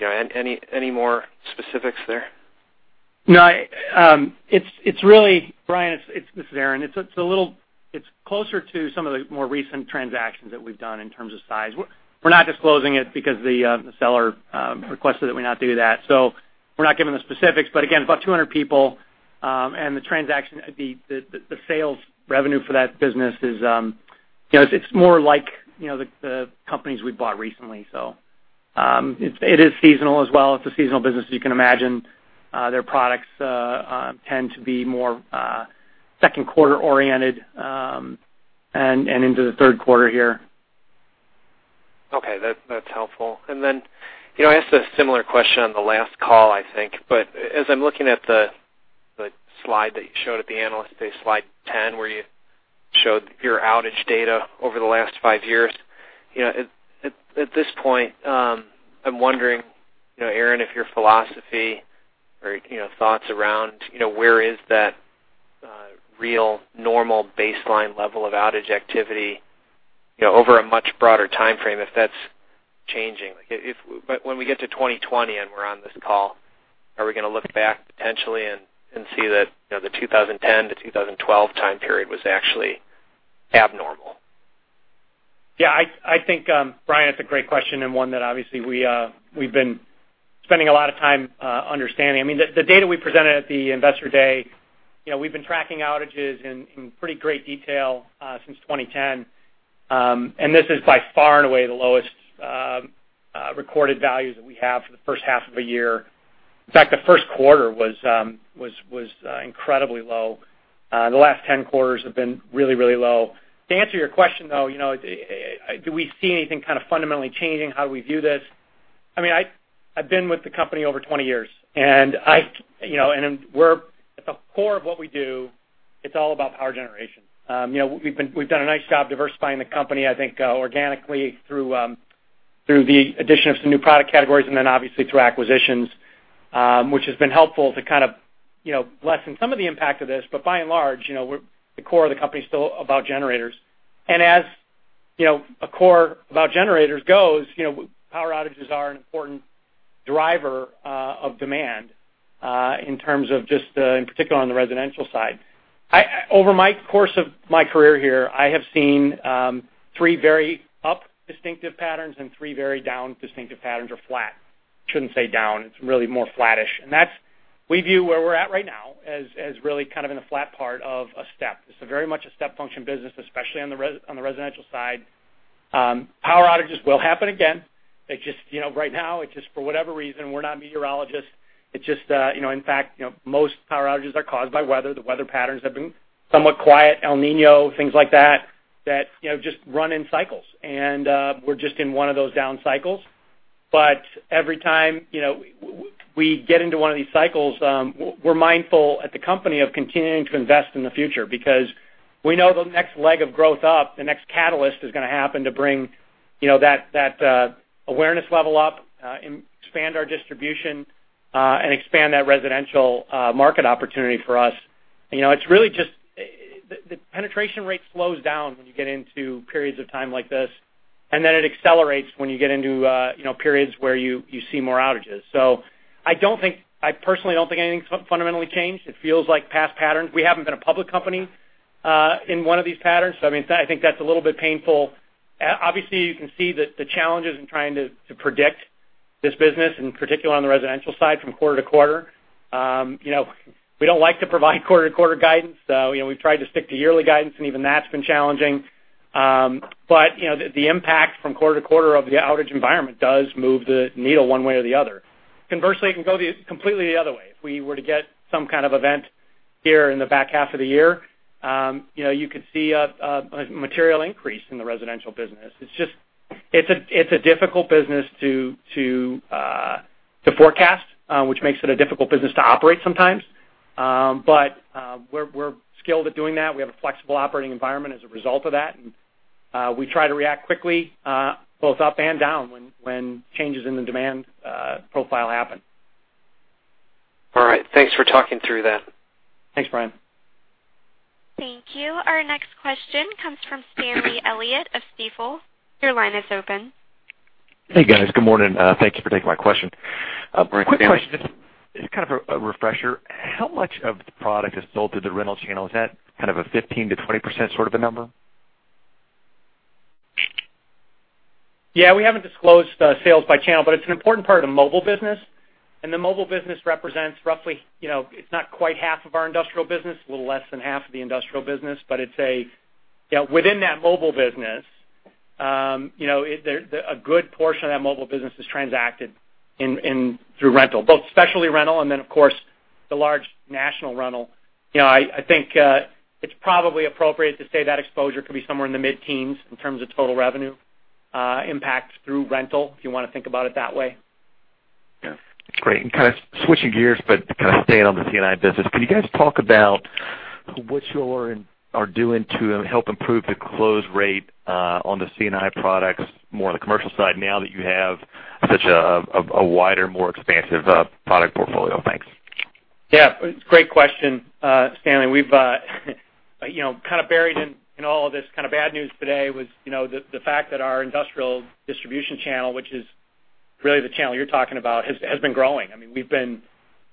any more specifics there? No. Brian, this is Aaron. It's closer to some of the more recent transactions that we've done in terms of size. We're not disclosing it because the seller requested that we not do that, so we're not giving the specifics, but again, about 200 people. The sales revenue for that business is, it's more like the companies we've bought recently. It is seasonal as well. It's a seasonal business, as you can imagine. Their products tend to be more second quarter-oriented, and into the third quarter here. Okay. That's helpful. Then, I asked a similar question on the last call, I think, but as I'm looking at the slide that you showed at the Investor Day, slide 10, where you showed your outage data over the last five years, at this point, I'm wondering, Aaron, if your philosophy or thoughts around where is that real normal baseline level of outage activity over a much broader timeframe, if that's changing. When we get to 2020 and we're on this call, are we gonna look back potentially and see that the 2010-2012 time period was actually abnormal? Yeah, I think, Brian, it's a great question, and one that obviously we've been spending a lot of time understanding. I mean, the data we presented at the Investor Day, we've been tracking outages in pretty great detail since 2010. This is by far and away the lowest recorded values that we have for the first half of a year. In fact, the first quarter was incredibly low. The last 10 quarters have been really low. To answer your question, though, do we see anything kind of fundamentally changing how we view this? I've been with the company over 20 years, at the core of what we do, it's all about power generation. We've done a nice job diversifying the company, I think, organically through the addition of some new product categories and then obviously through acquisitions, which has been helpful to kind of lessen some of the impact of this. By and large, the core of the company is still about generators. As a core about generators goes, power outages are an important driver of demand, in terms of just in particular on the residential side. Over my course of my career here, I have seen three very up distinctive patterns and three very down distinctive patterns, or flat. Shouldn't say down, it's really more flattish. We view where we're at right now as really kind of in the flat part of a step. It's very much a step function business, especially on the residential side. Power outages will happen again. Right now, for whatever reason, we're not meteorologists. In fact, most power outages are caused by weather. The weather patterns have been somewhat quiet, El Niño, things like that just run in cycles. We're just in one of those down cycles. Every time we get into one of these cycles, we're mindful at the company of continuing to invest in the future because we know the next leg of growth up, the next catalyst is gonna happen to bring that awareness level up, expand our distribution, and expand that residential market opportunity for us. The penetration rate slows down when you get into periods of time like this, and then it accelerates when you get into periods where you see more outages. I personally don't think anything's fundamentally changed. It feels like past patterns. We haven't been a public company, in one of these patterns. I think that's a little bit painful. Obviously, you can see the challenges in trying to predict this business, in particular on the residential side, from quarter to quarter. We don't like to provide quarter-to-quarter guidance. We've tried to stick to yearly guidance, and even that's been challenging. The impact from quarter to quarter of the outage environment does move the needle one way or the other. Conversely, it can go completely the other way. If we were to get some kind of event here in the back half of the year, you could see a material increase in the residential business. It's a difficult business to forecast, which makes it a difficult business to operate sometimes. We're skilled at doing that. We have a flexible operating environment as a result of that, and we try to react quickly, both up and down, when changes in the demand profile happen. Thanks for talking through that. Thanks, Brian. Thank you. Our next question comes from Stanley Elliott of Stifel. Your line is open. Hey, guys. Good morning. Thank you for taking my question. Morning, Stanley. Quick question. Just kind of a refresher, how much of the product is sold through the rental channel? Is that kind of a 15%-20% sort of a number? Yeah. We haven't disclosed sales by channel. It's an important part of the mobile business. The mobile business represents roughly, it's not quite half of our industrial business, a little less than half of the industrial business. Within that mobile business, a good portion of that mobile business is transacted through rental, both specialty rental and then of course, the large national rental. I think it's probably appropriate to say that exposure could be somewhere in the mid-teens in terms of total revenue impact through rental, if you want to think about it that way. Yeah. Great. Kind of switching gears, but kind of staying on the C&I business, could you guys talk about what you are doing to help improve the close rate on the C&I products, more on the commercial side, now that you have such a wider, more expansive product portfolio? Thanks. Yeah, great question Stanley. Kind of buried in all of this kind of bad news today was the fact that our industrial distribution channel, which is really the channel you're talking about, has been growing. We've been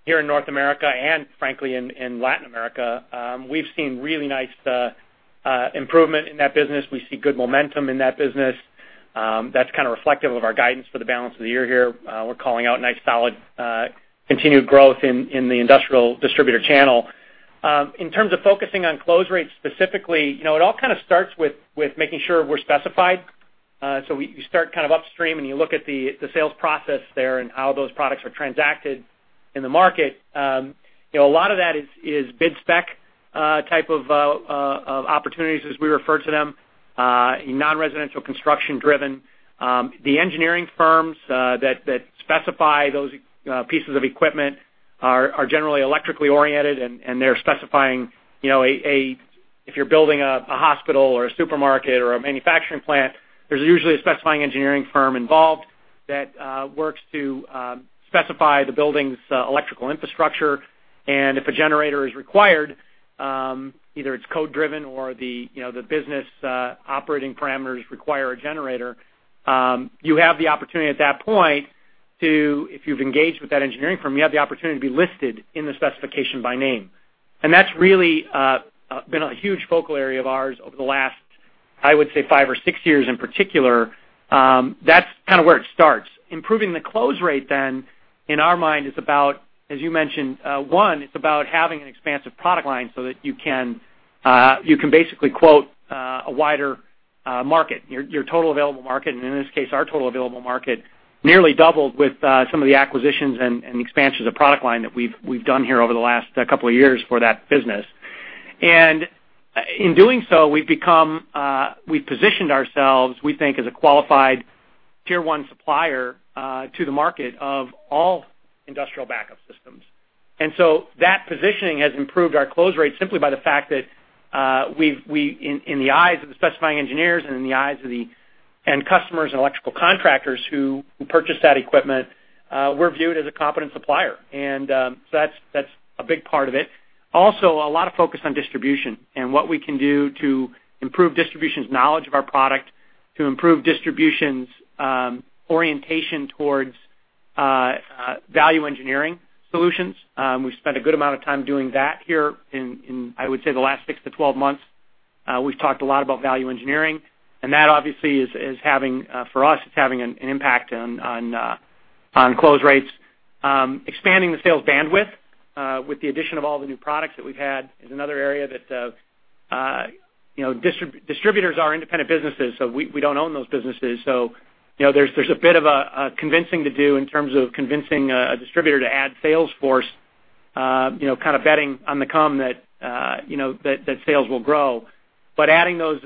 here in North America and frankly, in Latin America. We've seen really nice improvement in that business. We see good momentum in that business. That's kind of reflective of our guidance for the balance of the year here. We're calling out nice solid continued growth in the industrial distributor channel. In terms of focusing on close rates specifically, it all kind of starts with making sure we're specified. You start kind of upstream and you look at the sales process there and how those products are transacted in the market. A lot of that is bid spec type of opportunities as we refer to them, non-residential construction driven. The engineering firms that specify those pieces of equipment are generally electrically oriented and they're specifying, if you're building a hospital or a supermarket or a manufacturing plant, there's usually a specifying engineering firm involved that works to specify the building's electrical infrastructure. If a generator is required, either it's code driven or the business operating parameters require a generator, you have the opportunity at that point to, if you've engaged with that engineering firm, you have the opportunity to be listed in the specification by name. That's really been a huge focal area of ours over the last, I would say, five or six years in particular. That's kind of where it starts. Improving the close rate then, in our mind is about, as you mentioned, one, it's about having an expansive product line so that you can basically quote a wider market, your total available market, and in this case, our total available market nearly doubled with some of the acquisitions and expansions of product line that we've done here over the last couple of years for that business. In doing so, we've positioned ourselves, we think, as a qualified Tier 1 supplier to the market of all industrial backup systems. That positioning has improved our close rate simply by the fact that in the eyes of the specifying engineers and in the eyes of the end customers and electrical contractors who purchase that equipment, we're viewed as a competent supplier. That's a big part of it. Also, a lot of focus on distribution and what we can do to improve distribution's knowledge of our product, to improve distribution's orientation towards value engineering solutions. We've spent a good amount of time doing that here in, I would say, the last 6-12 months. We've talked a lot about value engineering, that obviously for us, it's having an impact on close rates. Expanding the sales bandwidth with the addition of all the new products that we've had is another area that Distributors are independent businesses, so we don't own those businesses. There's a bit of a convincing to do in terms of convincing a distributor to add sales force, kind of betting on the come that sales will grow. Increasing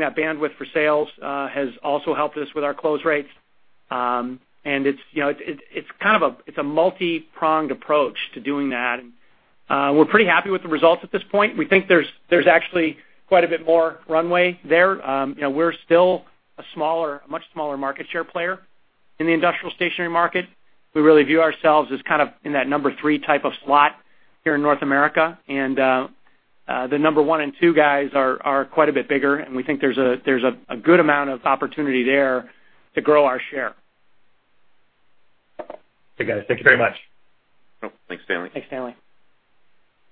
that bandwidth for sales has also helped us with our close rates. It's a multi-pronged approach to doing that. We're pretty happy with the results at this point. We think there's actually quite a bit more runway there. We're still a much smaller market share player in the industrial stationary market. We really view ourselves as kind of in that number three type of slot here in North America. The number one and two guys are quite a bit bigger, and we think there's a good amount of opportunity there to grow our share. Okay, guys, thank you very much. Thanks Stanley. Thanks Stanley.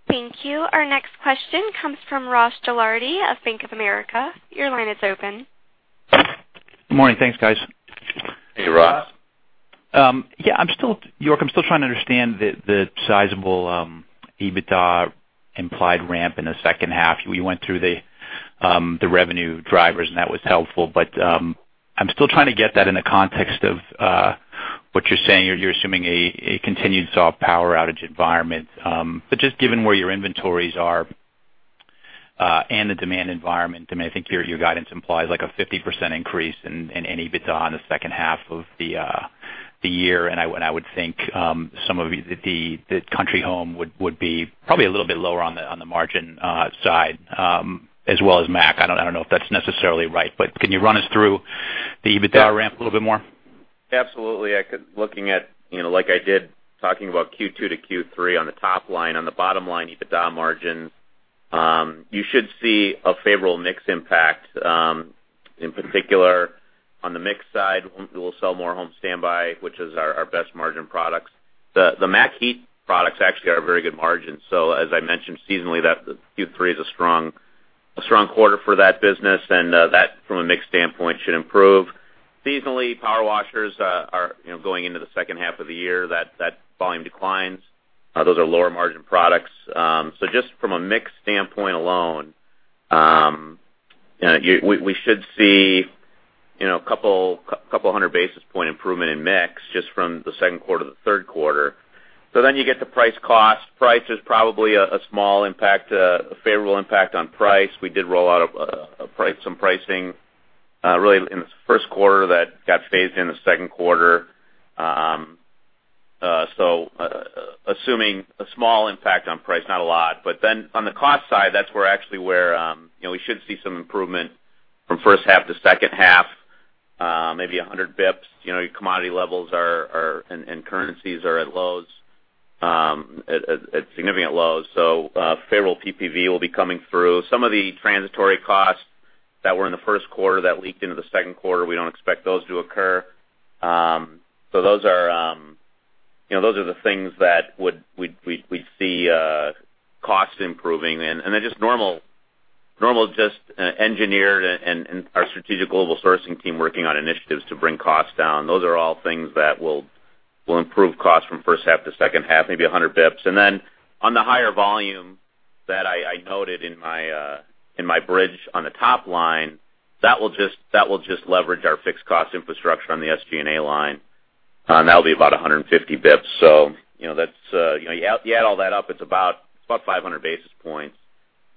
Thank you. Our next question comes from Ross Gilardi of Bank of America. Your line is open. Morning. Thanks, guys. Hey, Ross. Yeah, York, I'm still trying to understand the sizable EBITDA implied ramp in the second half. We went through the revenue drivers, and that was helpful, but I'm still trying to get that in the context of what you're saying. You're assuming a continued soft power outage environment. Just given where your inventories are and the demand environment, I think your guidance implies like a 50% increase in EBITDA in the second half of the year, and I would think some of the Country Home would be probably a little bit lower on the margin side as well as MAC. I don't know if that's necessarily right, but can you run us through the EBITDA ramp a little bit more? Absolutely. Looking at Q2 to Q3 on the top line, on the bottom line, EBITDA margins, you should see a favorable mix impact. In particular, on the mix side, we'll sell more home standby, which is our best margin products. The MAC heat products actually are a very good margin. As I mentioned seasonally, that Q3 is a strong quarter for that business, and that from a mix standpoint, should improve. Seasonally, power washers are going into the second half of the year, that volume declines. Those are lower margin products. Just from a mix standpoint alone, we should see a couple hundred basis point improvement in mix just from the second quarter to the third quarter. You get the price cost. Price is probably a small impact, a favorable impact on price. We did roll out some pricing really in the first quarter that got phased in the second quarter. Assuming a small impact on price, not a lot, but on the cost side, that's actually where we should see some improvement from first half to second half, maybe 100 basis points. Your commodity levels are and currencies are at lows, at significant lows. Favorable PPV will be coming through. Some of the transitory costs that were in the first quarter that leaked into the second quarter, we don't expect those to occur. Those are the things that we'd see cost improving. They're just normal engineered and our strategic global sourcing team working on initiatives to bring costs down. Those are all things that will improve costs from first half to second half, maybe 100 basis points. On the higher volume that I noted in my bridge on the top line, that will just leverage our fixed cost infrastructure on the SG&A line. That'll be about 150 basis points. You add all that up, it's about 500 basis points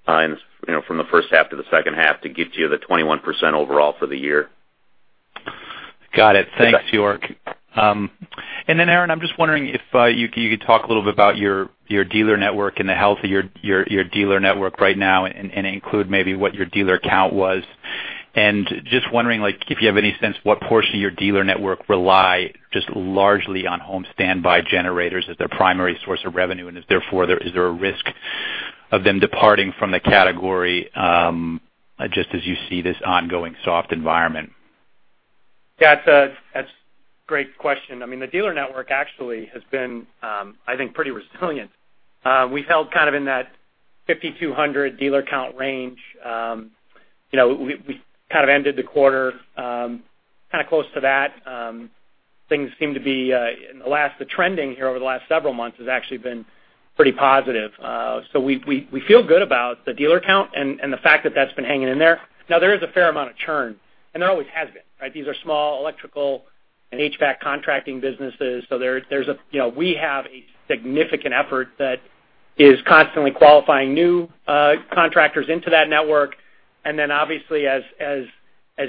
from the first half to the second half to get to the 21% overall for the year. Got it. Thanks, York. Aaron, I'm just wondering if you could talk a little bit about your dealer network and the health of your dealer network right now and include maybe what your dealer count was. Just wondering, if you have any sense what portion of your dealer network rely just largely on home standby generators as their primary source of revenue, and therefore, is there a risk of them departing from the category, just as you see this ongoing soft environment? Yeah. That's a great question. The dealer network actually has been, I think, pretty resilient. We've held kind of in that 5,200 dealer count range. We kind of ended the quarter kind of close to that. Things seem to be, the trending here over the last several months has actually been pretty positive. We feel good about the dealer count and the fact that that's been hanging in there. Now there is a fair amount of churn, and there always has been, right? These are small electrical and HVAC contracting businesses. We have a significant effort that is constantly qualifying new contractors into that network. Obviously as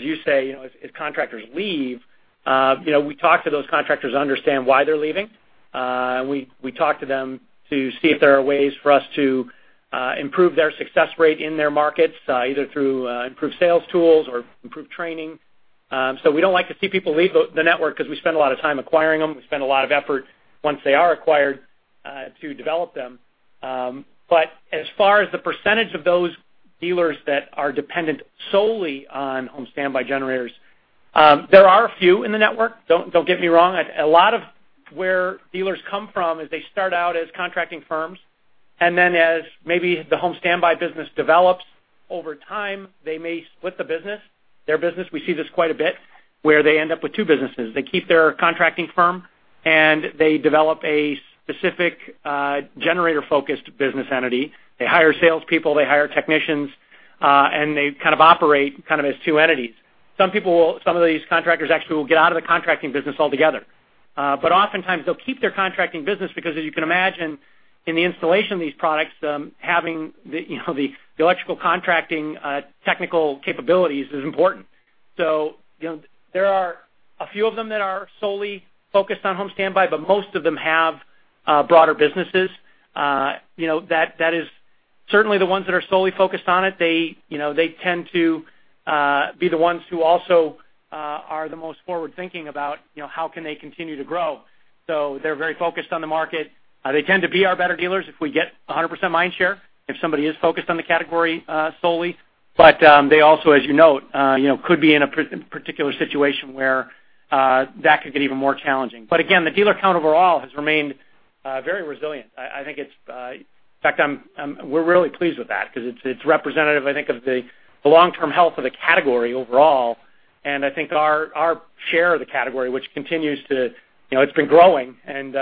you say, as contractors leave, we talk to those contractors to understand why they're leaving. We talk to them to see if there are ways for us to improve their success rate in their markets, either through improved sales tools or improved training. We don't like to see people leave the network because we spend a lot of time acquiring them. We spend a lot of effort once they are acquired, to develop them. As far as the percentage of those dealers that are dependent solely on home standby generators, there are a few in the network. Don't get me wrong. A lot of where dealers come from is they start out as contracting firms, as maybe the home standby business develops over time, they may split the business, their business. We see this quite a bit, where they end up with two businesses. They keep their contracting firm, and they develop a specific generator-focused business entity. They hire salespeople, they hire technicians, they kind of operate kind of as two entities. Some of these contractors actually will get out of the contracting business altogether. Oftentimes they'll keep their contracting business because as you can imagine, in the installation of these products, having the electrical contracting technical capabilities is important. There are a few of them that are solely focused on home standby, but most of them have broader businesses. That is certainly the ones that are solely focused on it. They tend to be the ones who also are the most forward-thinking about how can they continue to grow. They're very focused on the market. They tend to be our better dealers if we get 100% mind share, if somebody is focused on the category solely. They also, as you note, could be in a particular situation where that could get even more challenging. Again, the dealer count overall has remained very resilient. In fact, we're really pleased with that because it's representative, I think of the long-term health of the category overall. I think our share of the category, which it's been growing and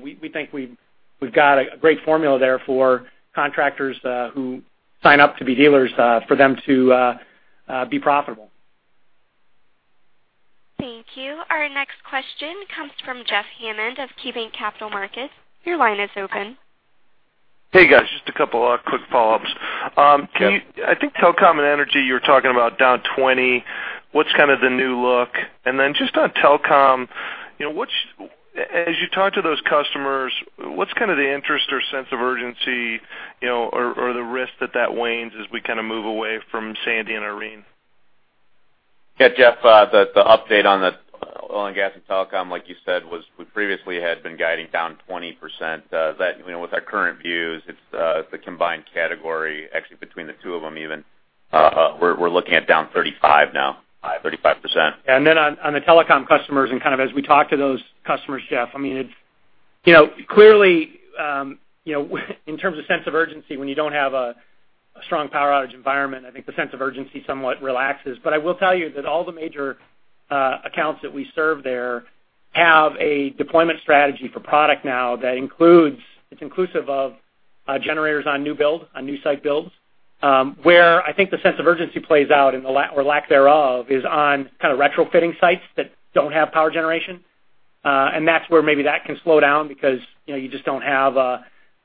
we think we've got a great formula there for contractors who sign up to be dealers, for them to be profitable. Thank you. Our next question comes from Jeff Hammond of KeyBanc Capital Markets. Your line is open. Hey, guys, just a couple of quick follow-ups. I think telecom and energy, you were talking about down 20%. What's kind of the new look? Just on telecom. As you talk to those customers, what's the interest or sense of urgency, or the risk that that wanes as we move away from Sandy and Irene? Yeah, Jeff, the update on the oil and gas and telecom, like you said, was we previously had been guiding down 20%. With our current views, it's the combined category actually between the two of them even, we're looking at down 35% now, 35%. Then on the telecom customers and as we talk to those customers, Jeff, clearly, in terms of sense of urgency, when you don't have a strong power outage environment, I think the sense of urgency somewhat relaxes. I will tell you that all the major accounts that we serve there have a deployment strategy for product now that's inclusive of generators on new site builds. Where I think the sense of urgency plays out, or lack thereof, is on retrofitting sites that don't have power generation. That's where maybe that can slow down because you don't have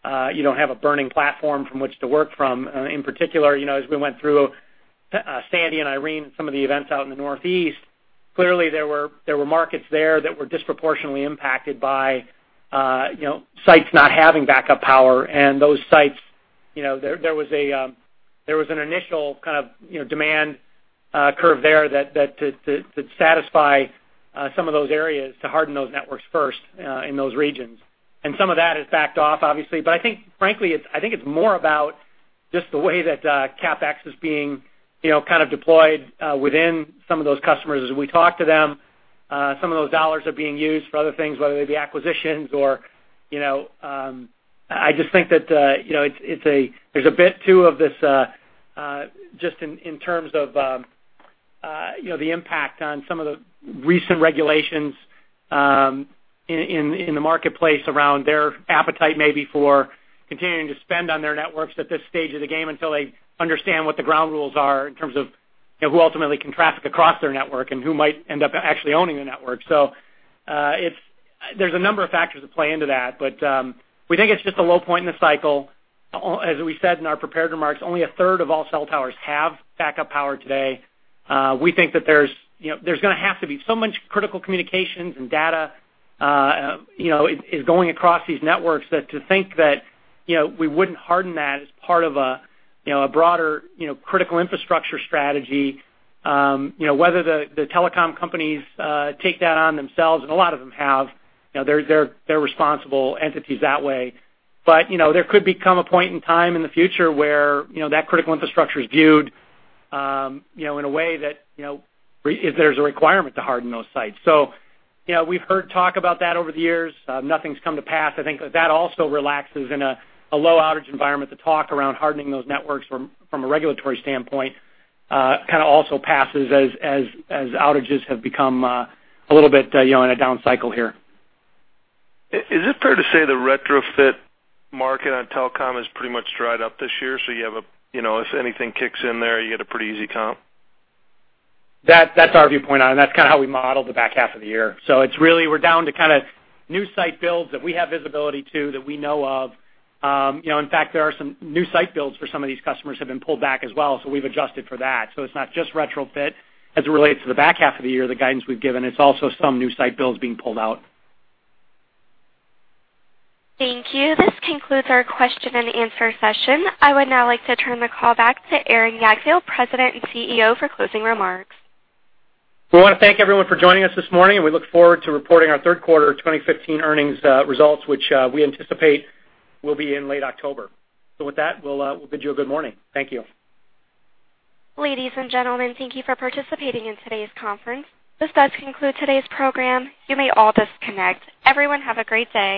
a burning platform from which to work from. In particular, as we went through Sandy and Irene and some of the events out in the Northeast, clearly there were markets there that were disproportionately impacted by sites not having backup power, and those sites, there was an initial kind of demand curve there that to satisfy some of those areas to harden those networks first in those regions. Some of that has backed off, obviously. I think frankly, I think it's more about just the way that CapEx is being kind of deployed within some of those customers. As we talk to them, some of those dollars are being used for other things, whether they be acquisitions or I just think that there's a bit too of this just in terms of the impact on some of the recent regulations in the marketplace around their appetite, maybe for continuing to spend on their networks at this stage of the game until they understand what the ground rules are in terms of who ultimately can traffic across their network and who might end up actually owning the network. There's a number of factors that play into that, but we think it's just a low point in the cycle. As we said in our prepared remarks, only a third of all cell towers have backup power today. We think that there's going to have to be so much critical communications and data is going across these networks that to think that we wouldn't harden that as part of a broader critical infrastructure strategy, whether the telecom companies take that on themselves and a lot of them have, they're responsible entities that way. There could become a point in time in the future where that critical infrastructure is viewed in a way that there's a requirement to harden those sites. We've heard talk about that over the years. Nothing's come to pass. I think that also relaxes in a low outage environment. The talk around hardening those networks from a regulatory standpoint kind of also passes as outages have become a little bit in a down cycle here. Is it fair to say the retrofit market on telecom is pretty much dried up this year, so if anything kicks in there, you get a pretty easy comp? That's our viewpoint on it, and that's kind of how we modeled the back half of the year. It's really we're down to kind of new site builds that we have visibility to, that we know of. In fact, there are some new site builds for some of these customers have been pulled back as well, so we've adjusted for that. It's not just retrofit as it relates to the back half of the year, the guidance we've given, it's also some new site builds being pulled out. Thank you. This concludes our question and answer session. I would now like to turn the call back to Aaron Jagdfeld, President and CEO, for closing remarks. We want to thank everyone for joining us this morning, and we look forward to reporting our third quarter 2015 earnings results, which we anticipate will be in late October. With that, we'll bid you a good morning. Thank you. Ladies and gentlemen, thank you for participating in today's conference. This does conclude today's program. You may all disconnect. Everyone, have a great day.